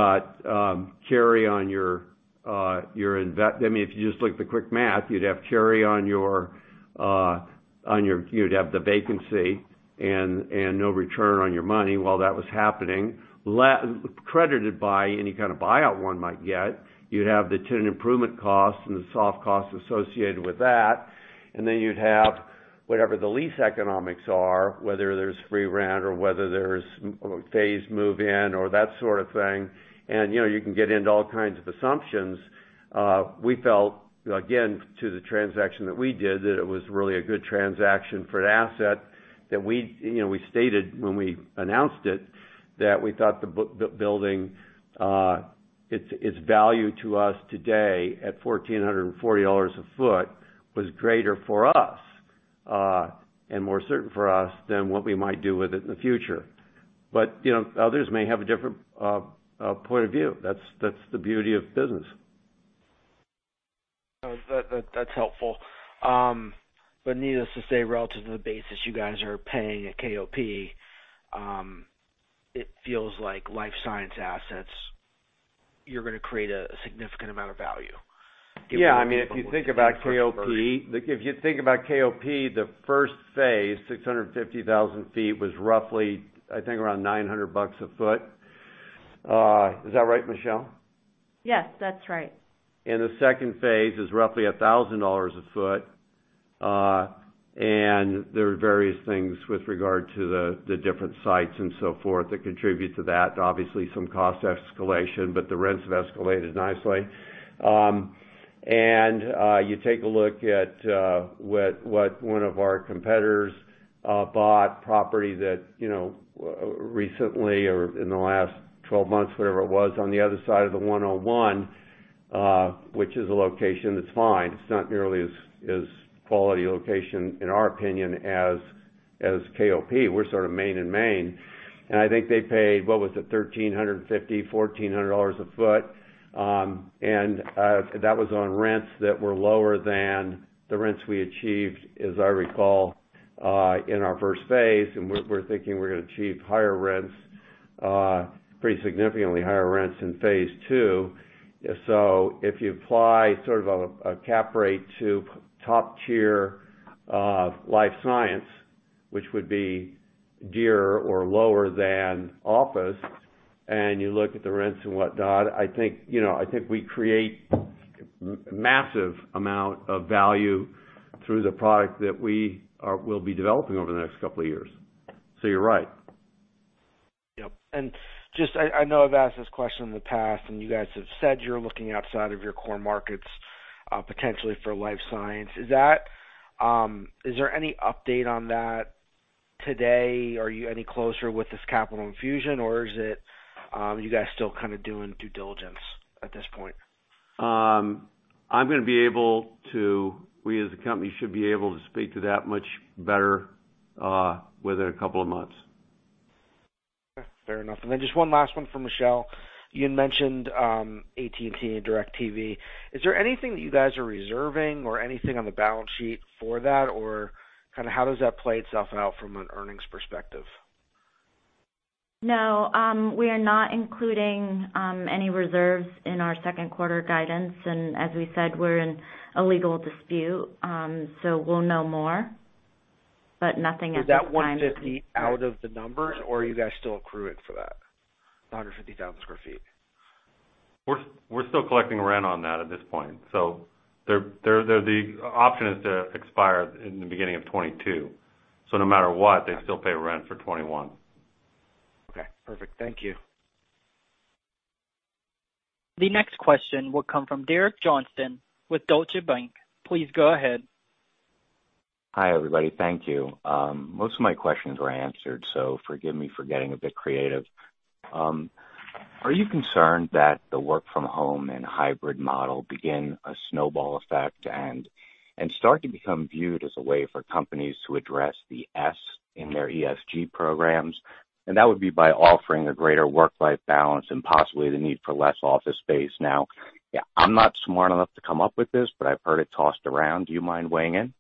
look at the quick math, you'd have the vacancy and no return on your money while that was happening, credited by any kind of buyout one might get. You'd have the tenant improvement costs and the soft costs associated with that. You'd have whatever the lease economics are, whether there's free rent or whether there's phased move in or that sort of thing. You can get into all kinds of assumptions. We felt, again, to the transaction that we did, that it was really a good transaction for an asset that we stated when we announced it, that we thought the building, its value to us today at $1,440 a foot was greater for us, and more certain for us, than what we might do with it in the future. Others may have a different point of view. That's the beauty of business. That's helpful. Needless to say, relative to the basis you guys are paying at KRC, it feels like life science assets, you're going to create a significant amount of value. Yeah. If you think about KOP, the first phase, 650,000 feet, was roughly, I think, around $900 a foot. Is that right, Michelle? Yes, that's right. The second phase is roughly $1,000 a foot. There are various things with regard to the different sites and so forth that contribute to that. Obviously, some cost escalation, but the rents have escalated nicely. You take a look at what one of our competitors bought, property that recently or in the last 12 months, whatever it was, on the other side of the 101, which is a location that's fine. It's not nearly as quality a location, in our opinion, as KOP. We're sort of main and main, and I think they paid, what was it, $1,350, $1,400 a foot. That was on rents that were lower than the rents we achieved, as I recall, in our first phase. We're thinking we're going to achieve higher rents, pretty significantly higher rents, in phase two. If you apply sort of a cap rate to top tier life science, which would be dearer or lower than office, and you look at the rents and whatnot, I think we create massive amount of value through the product that we will be developing over the next couple of years. You're right. Yep. I know I've asked this question in the past, and you guys have said you're looking outside of your core markets, potentially for life science. Is there any update on that today? Are you any closer with this capital infusion, or is it you guys still kind of doing due diligence at this point? We as a company should be able to speak to that much better within a couple of months. Fair enough. Then just one last one for Michelle. You had mentioned AT&T and DirecTV. Is there anything that you guys are reserving or anything on the balance sheet for that? How does that play itself out from an earnings perspective? No, we are not including any reserves in our second quarter guidance. As we said, we're in a legal dispute. We'll know more, but nothing at this time. Is that 150 out of the numbers, or are you guys still accruing for that 150,000 sq ft? We're still collecting rent on that at this point. The option is to expire in the beginning of 2022. No matter what, they still pay rent for 2021. Okay, perfect. Thank you. The next question will come from Derek Johnston with Deutsche Bank. Please go ahead. Hi, everybody. Thank you. Most of my questions were answered, so forgive me for getting a bit creative. Are you concerned that the work from home and hybrid model begin a snowball effect and start to become viewed as a way for companies to address the S in their ESG programs? That would be by offering a greater work-life balance and possibly the need for less office space. Now, I'm not smart enough to come up with this, but I've heard it tossed around. Do you mind weighing in?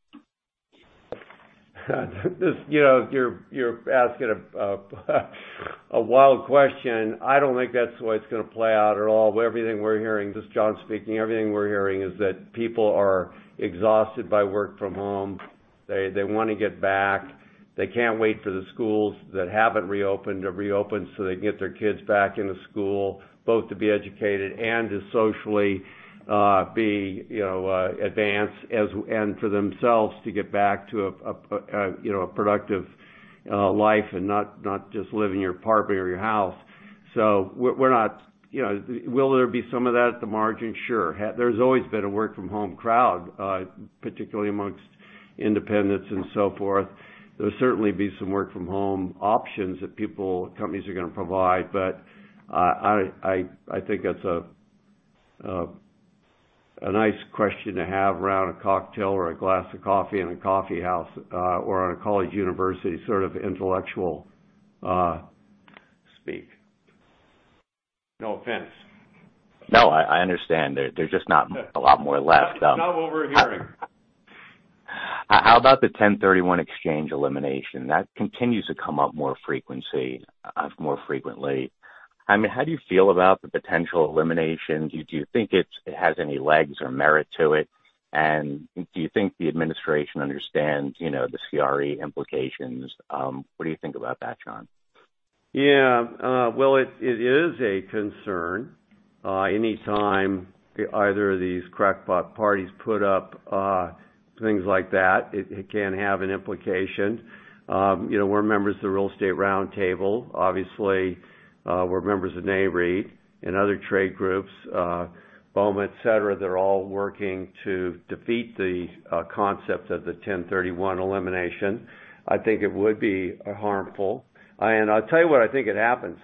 You're asking a wild question. I don't think that's the way it's going to play out at all. This is John speaking. Everything we're hearing is that people are exhausted by work from home. They want to get back. They can't wait for the schools that haven't reopened to reopen so they can get their kids back into school, both to be educated and to socially advance and for themselves to get back to a productive life and not just live in your apartment or your house. Will there be some of that at the margin? Sure. There's always been a work from home crowd, particularly amongst independents and so forth. There will certainly be some work from home options that companies are going to provide. I think that's a nice question to have around a cocktail or a glass of coffee in a coffee house, or on a college university sort of intellectual speak. No offense. No, I understand. There's just not a lot more left. It's not what we're hearing. How about the 1031 exchange elimination? That continues to come up more frequently. How do you feel about the potential elimination? Do you think it has any legs or merit to it? Do you think the administration understands the CRE implications? What do you think about that, John? Yeah. Well, it is a concern. Anytime either of these crackpot parties put up things like that, it can have an implication. We're members of the Real Estate Roundtable, obviously. We're members of Nareit and other trade groups, BOMA, et cetera. They're all working to defeat the concept of the 1031 elimination. I think it would be harmful. I'll tell you when I think it happens.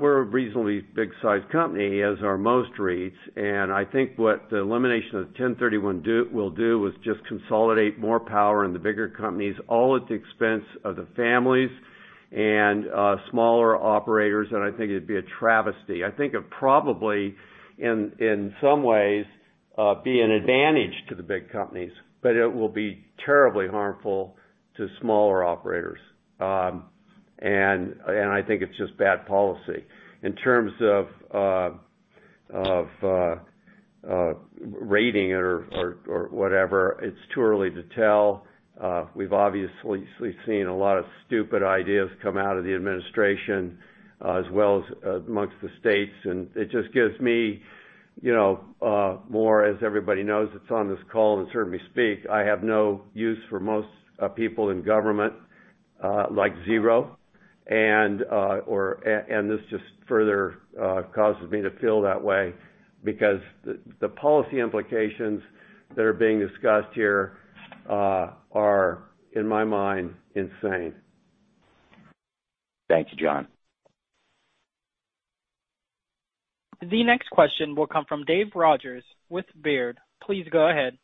We're a reasonably big-sized company, as are most REITs, and I think what the elimination of the 1031 will do is just consolidate more power in the bigger companies, all at the expense of the families and smaller operators. I think it'd be a travesty. I think it probably, in some ways, be an advantage to the big companies, but it will be terribly harmful to smaller operators. I think it's just bad policy. In terms of rating or whatever, it's too early to tell. We've obviously seen a lot of stupid ideas come out of the administration, as well as amongst the states. It just gives me more, as everybody knows that's on this call and heard me speak, I have no use for most people in government, like zero, and this just further causes me to feel that way because the policy implications that are being discussed here are, in my mind, insane. Thank you, John. The next question will come from Dave Rodgers with Baird. Please go ahead.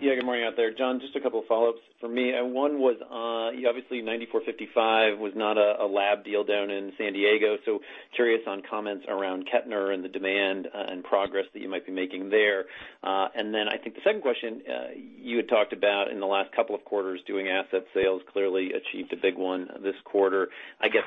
Yeah, good morning out there. John, just a couple of follow-ups from me. One was, obviously 9455 was not a lab deal down in San Diego, so curious on comments around Kettner and the demand and progress that you might be making there. I think the second question, you had talked about in the last couple of quarters doing asset sales. Clearly achieved a big one this quarter. I guess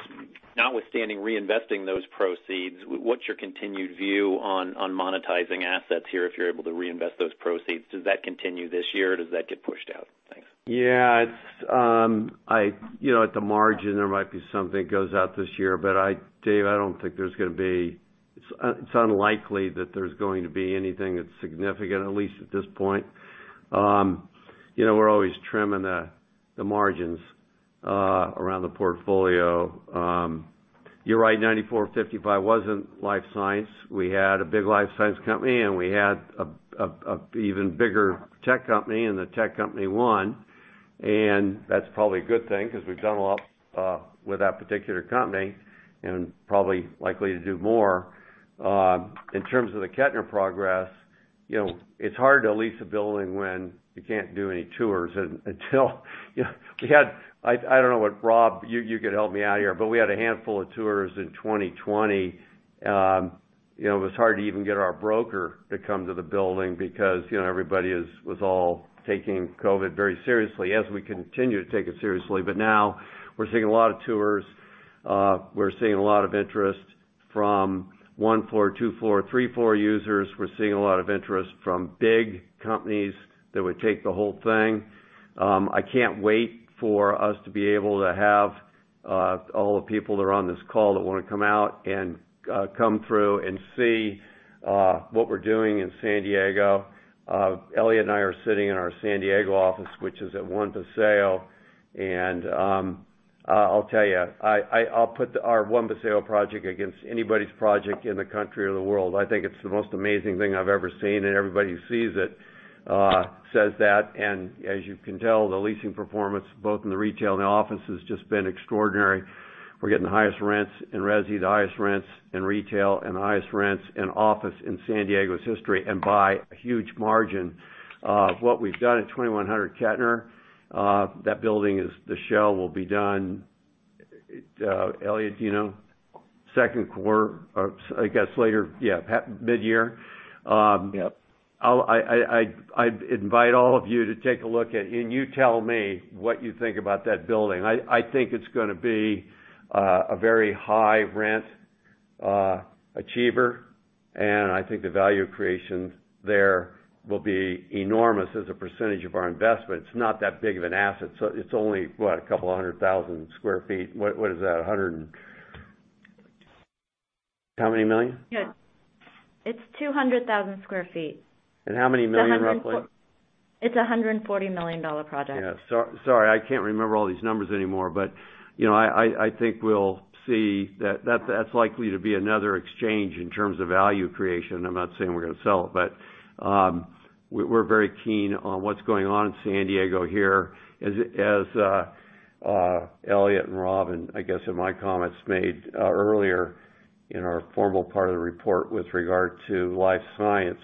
notwithstanding reinvesting those proceeds, what's your continued view on monetizing assets here if you're able to reinvest those proceeds? Does that continue this year or does that get pushed out? Thanks. Yeah. At the margin, there might be something that goes out this year. Dave, it's unlikely that there's going to be anything that's significant, at least at this point. We're always trimming the margins around the portfolio. You're right, 9455 wasn't life science. We had a big life science company. We had an even bigger tech company. The tech company won. That's probably a good thing because we've done a lot with that particular company and probably likely to do more. In terms of the Kettner progress, it's hard to lease a building when you can't do any tours until Rob, you could help me out here. We had a handful of tours in 2020. It was hard to even get our broker to come to the building because everybody was all taking COVID very seriously, as we continue to take it seriously. Now we're seeing a lot of tours. We're seeing a lot of interest from one floor, two floor, three floor users. We're seeing a lot of interest from big companies that would take the whole thing. I can't wait for us to be able to have all the people that are on this call that want to come out and come through and see what we're doing in San Diego. Eliott and I are sitting in our San Diego office, which is at One Paseo, and I'll tell you, I'll put our One Paseo project against anybody's project in the country or the world. I think it's the most amazing thing I've ever seen, and everybody who sees it says that. As you can tell, the leasing performance, both in the retail and the office, has just been extraordinary. We're getting the highest rents in resi, the highest rents in retail, and the highest rents in office in San Diego's history, and by a huge margin. What we've done at 2100 Kettner, that building, the shell will be done, Eliott, second quarter, I guess later, yeah, mid-year. Yep. I invite all of you to take a look at, you tell me what you think about that building. I think it's going to be a very high rent achiever, I think the value creation there will be enormous as a percentage of our investment. It's not that big of an asset. It's only, what, a couple of 100,000 sq ft. What is that? How many million? It's 200,000 sq ft. How many million, roughly? It's $140 million project. Yeah. Sorry, I can't remember all these numbers anymore, but I think we'll see that that's likely to be another exchange in terms of value creation. I'm not saying we're going to sell it, but we're very keen on what's going on in San Diego here. As Eliott and Rob, and I guess in my comments made earlier in our formal part of the report with regard to life science.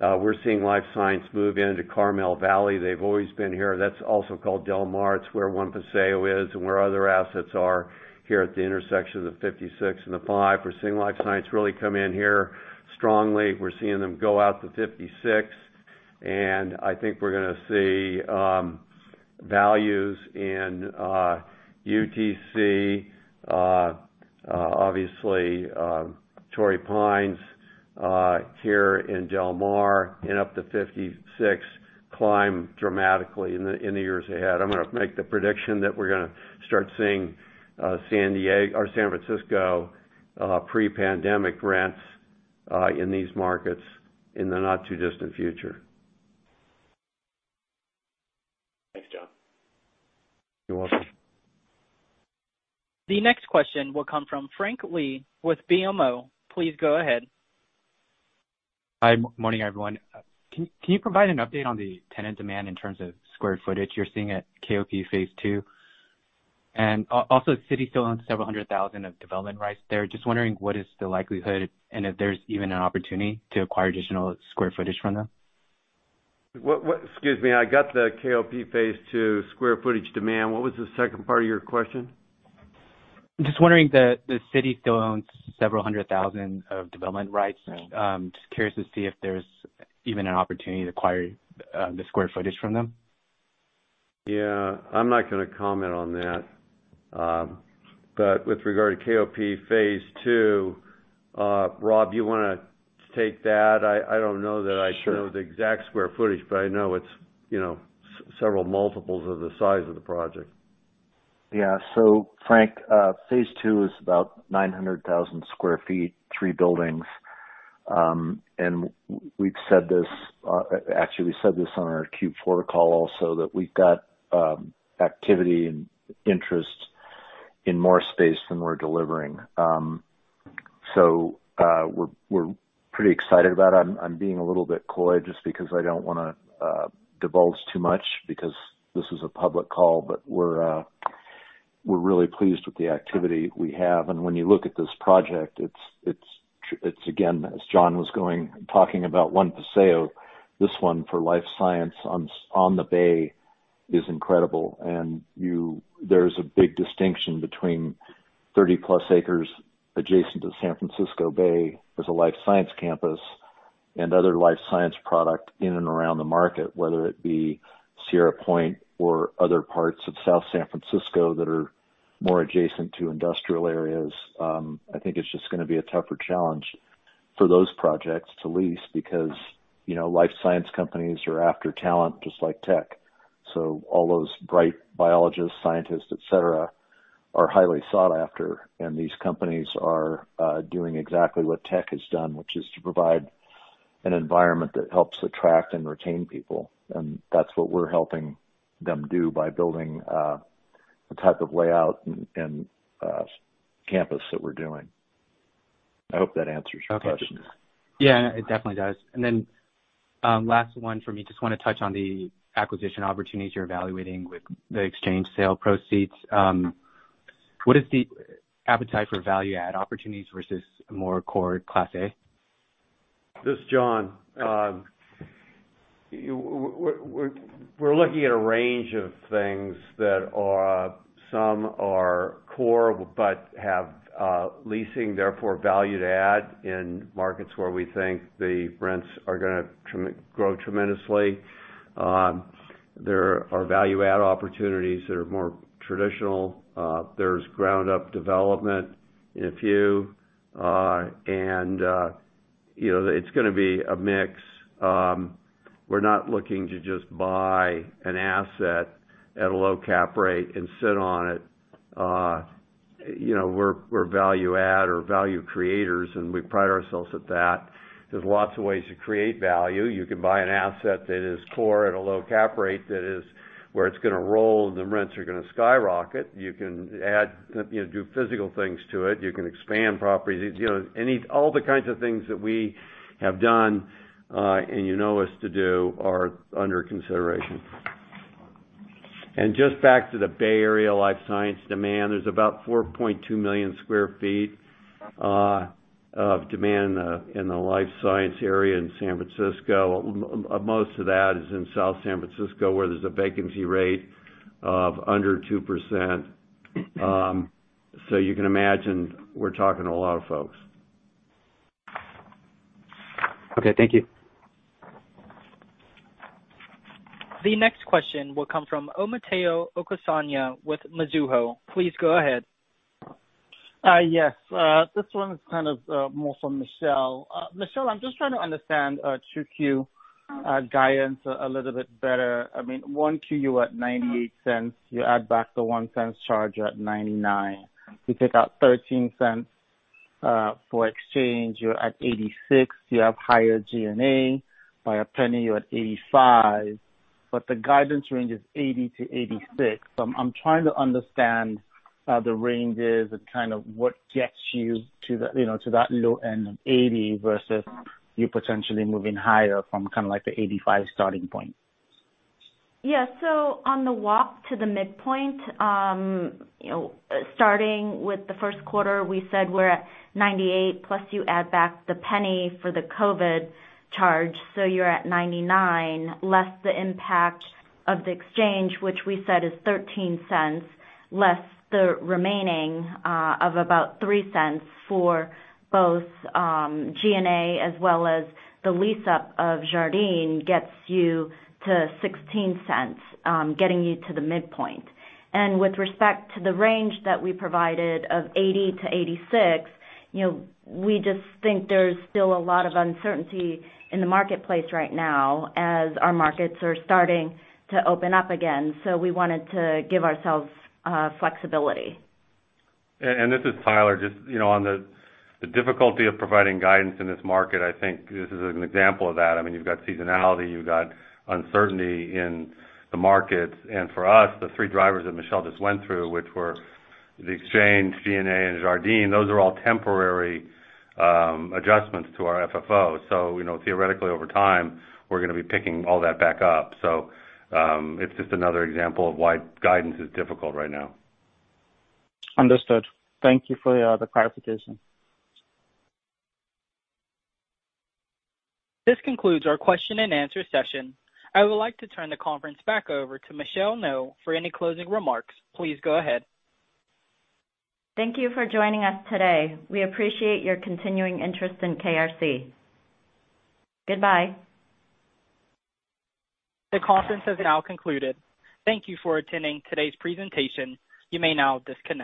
We're seeing life science move into Carmel Valley. They've always been here. That's also called Del Mar. It's where One Paseo is and where other assets are here at the intersection of the 56 and the five. We're seeing life science really come in here strongly. We're seeing them go out to 56, and I think we're going to see values in UTC, obviously Torrey Pines, here in Del Mar, and up to 56 climb dramatically in the years ahead. I'm going to make the prediction that we're going to start seeing San Francisco pre-pandemic rents in these markets in the not too distant future. Thanks, John. You're welcome. The next question will come from Frank Lee with BMO. Please go ahead. Hi. Morning, everyone. Can you provide an update on the tenant demand in terms of square footage you're seeing at KOP Phase Two? The city still owns several hundred thousand of development rights there. Just wondering what is the likelihood and if there's even an opportunity to acquire additional square footage from them? Excuse me. I got the KOP Phase Two square footage demand. What was the second part of your question? Just wondering, the city still owns several hundred thousand of development rights. Yeah. Just curious to see if there's even an opportunity to acquire the square footage from them. Yeah. I'm not going to comment on that. With regard to KOP Phase Two, Rob, you want to take that? Sure know the exact square footage, but I know it's several multiples of the size of the project. Yeah. Frank, Phase Two is about 900,000 sq ft, three buildings. We've said this, actually, we said this on our Q4 call also that we've got activity and interest in more space than we're delivering. We're pretty excited about it. I'm being a little bit coy just because I don't want to divulge too much because this is a public call, but we're really pleased with the activity we have. When you look at this project, it's again, as John was talking about One Paseo, this one for life science on the Bay is incredible. There's a big distinction between 30+ acres adjacent to San Francisco Bay as a life science campus and other life science product in and around the market, whether it be Sierra Point or other parts of South San Francisco that are more adjacent to industrial areas. I think it's just going to be a tougher challenge for those projects to lease because life science companies are after talent just like tech. All those bright biologists, scientists, et cetera, are highly sought after. These companies are doing exactly what tech has done, which is to provide an environment that helps attract and retain people. That's what we're helping them do by building a type of layout and campus that we're doing. I hope that answers your question. Okay. Yeah, it definitely does. Then, last one for me. Just want to touch on the acquisition opportunities you're evaluating with the exchange sale proceeds. What is the appetite for value add opportunities versus more core class A? This is John. We're looking at a range of things that some are core but have leasing, therefore value to add in markets where we think the rents are going to grow tremendously. There are value add opportunities that are more traditional. There's ground up development in a few. It's going to be a mix. We're not looking to just buy an asset at a low cap rate and sit on it. We're value add or value creators, and we pride ourselves at that. There's lots of ways to create value. You can buy an asset that is core at a low cap rate where it's going to roll, and the rents are going to skyrocket. You can do physical things to it. You can expand properties. All the kinds of things that we have done, and you know us to do are under consideration. Just back to the Bay Area life science demand. There's about 4.2 million sq ft of demand in the life science area in San Francisco. Most of that is in South San Francisco, where there's a vacancy rate of under 2%. You can imagine we're talking to a lot of folks. Okay. Thank you. The next question will come from Omotayo Okusanya with Mizuho. Please go ahead. Yes. This one is kind of more for Michelle. Michelle, I'm just trying to understand 2Q guidance a little bit better. I mean, 1Q, you were at $0.98, you add back the $0.01 charge, you're at $0.99. You take out $0.13 for exchange, you're at $0.86. You have higher G&A by $0.01, you're at $0.85. The guidance range is $0.80-$0.86. I'm trying to understand the ranges and kind of what gets you to that low end of $0.80 versus you potentially moving higher from kind of like the $0.85 starting point. On the walk to the midpoint, starting with the first quarter, we said we're at 98, plus you add back the $0.01 for the COVID-19 charge, you're at 99, less the impact of the exchange, which we said is $0.13, less the remaining of about $0.03 for both G&A as well as the lease up of Jardine gets you to $0.16, getting you to the midpoint. With respect to the range that we provided of 80-86, we just think there's still a lot of uncertainty in the marketplace right now as our markets are starting to open up again. So we want to give ourselves flexibility. This is Tyler. Just on the difficulty of providing guidance in this market, I think this is an example of that. I mean, you've got seasonality, you've got uncertainty in the markets. For us, the three drivers that Michelle just went through, which were the exchange, G&A, and Jardine, those are all temporary adjustments to our FFO. Theoretically over time, we're going to be picking all that back up. It's just another example of why guidance is difficult right now. Understood. Thank you for the clarification. This concludes our question and answer session. I would like to turn the conference back over to Michelle Ngo for any closing remarks. Please go ahead. Thank you for joining us today. We appreciate your continuing interest in KRC. Goodbye. The conference has now concluded. Thank you for attending today's presentation. You may now disconnect.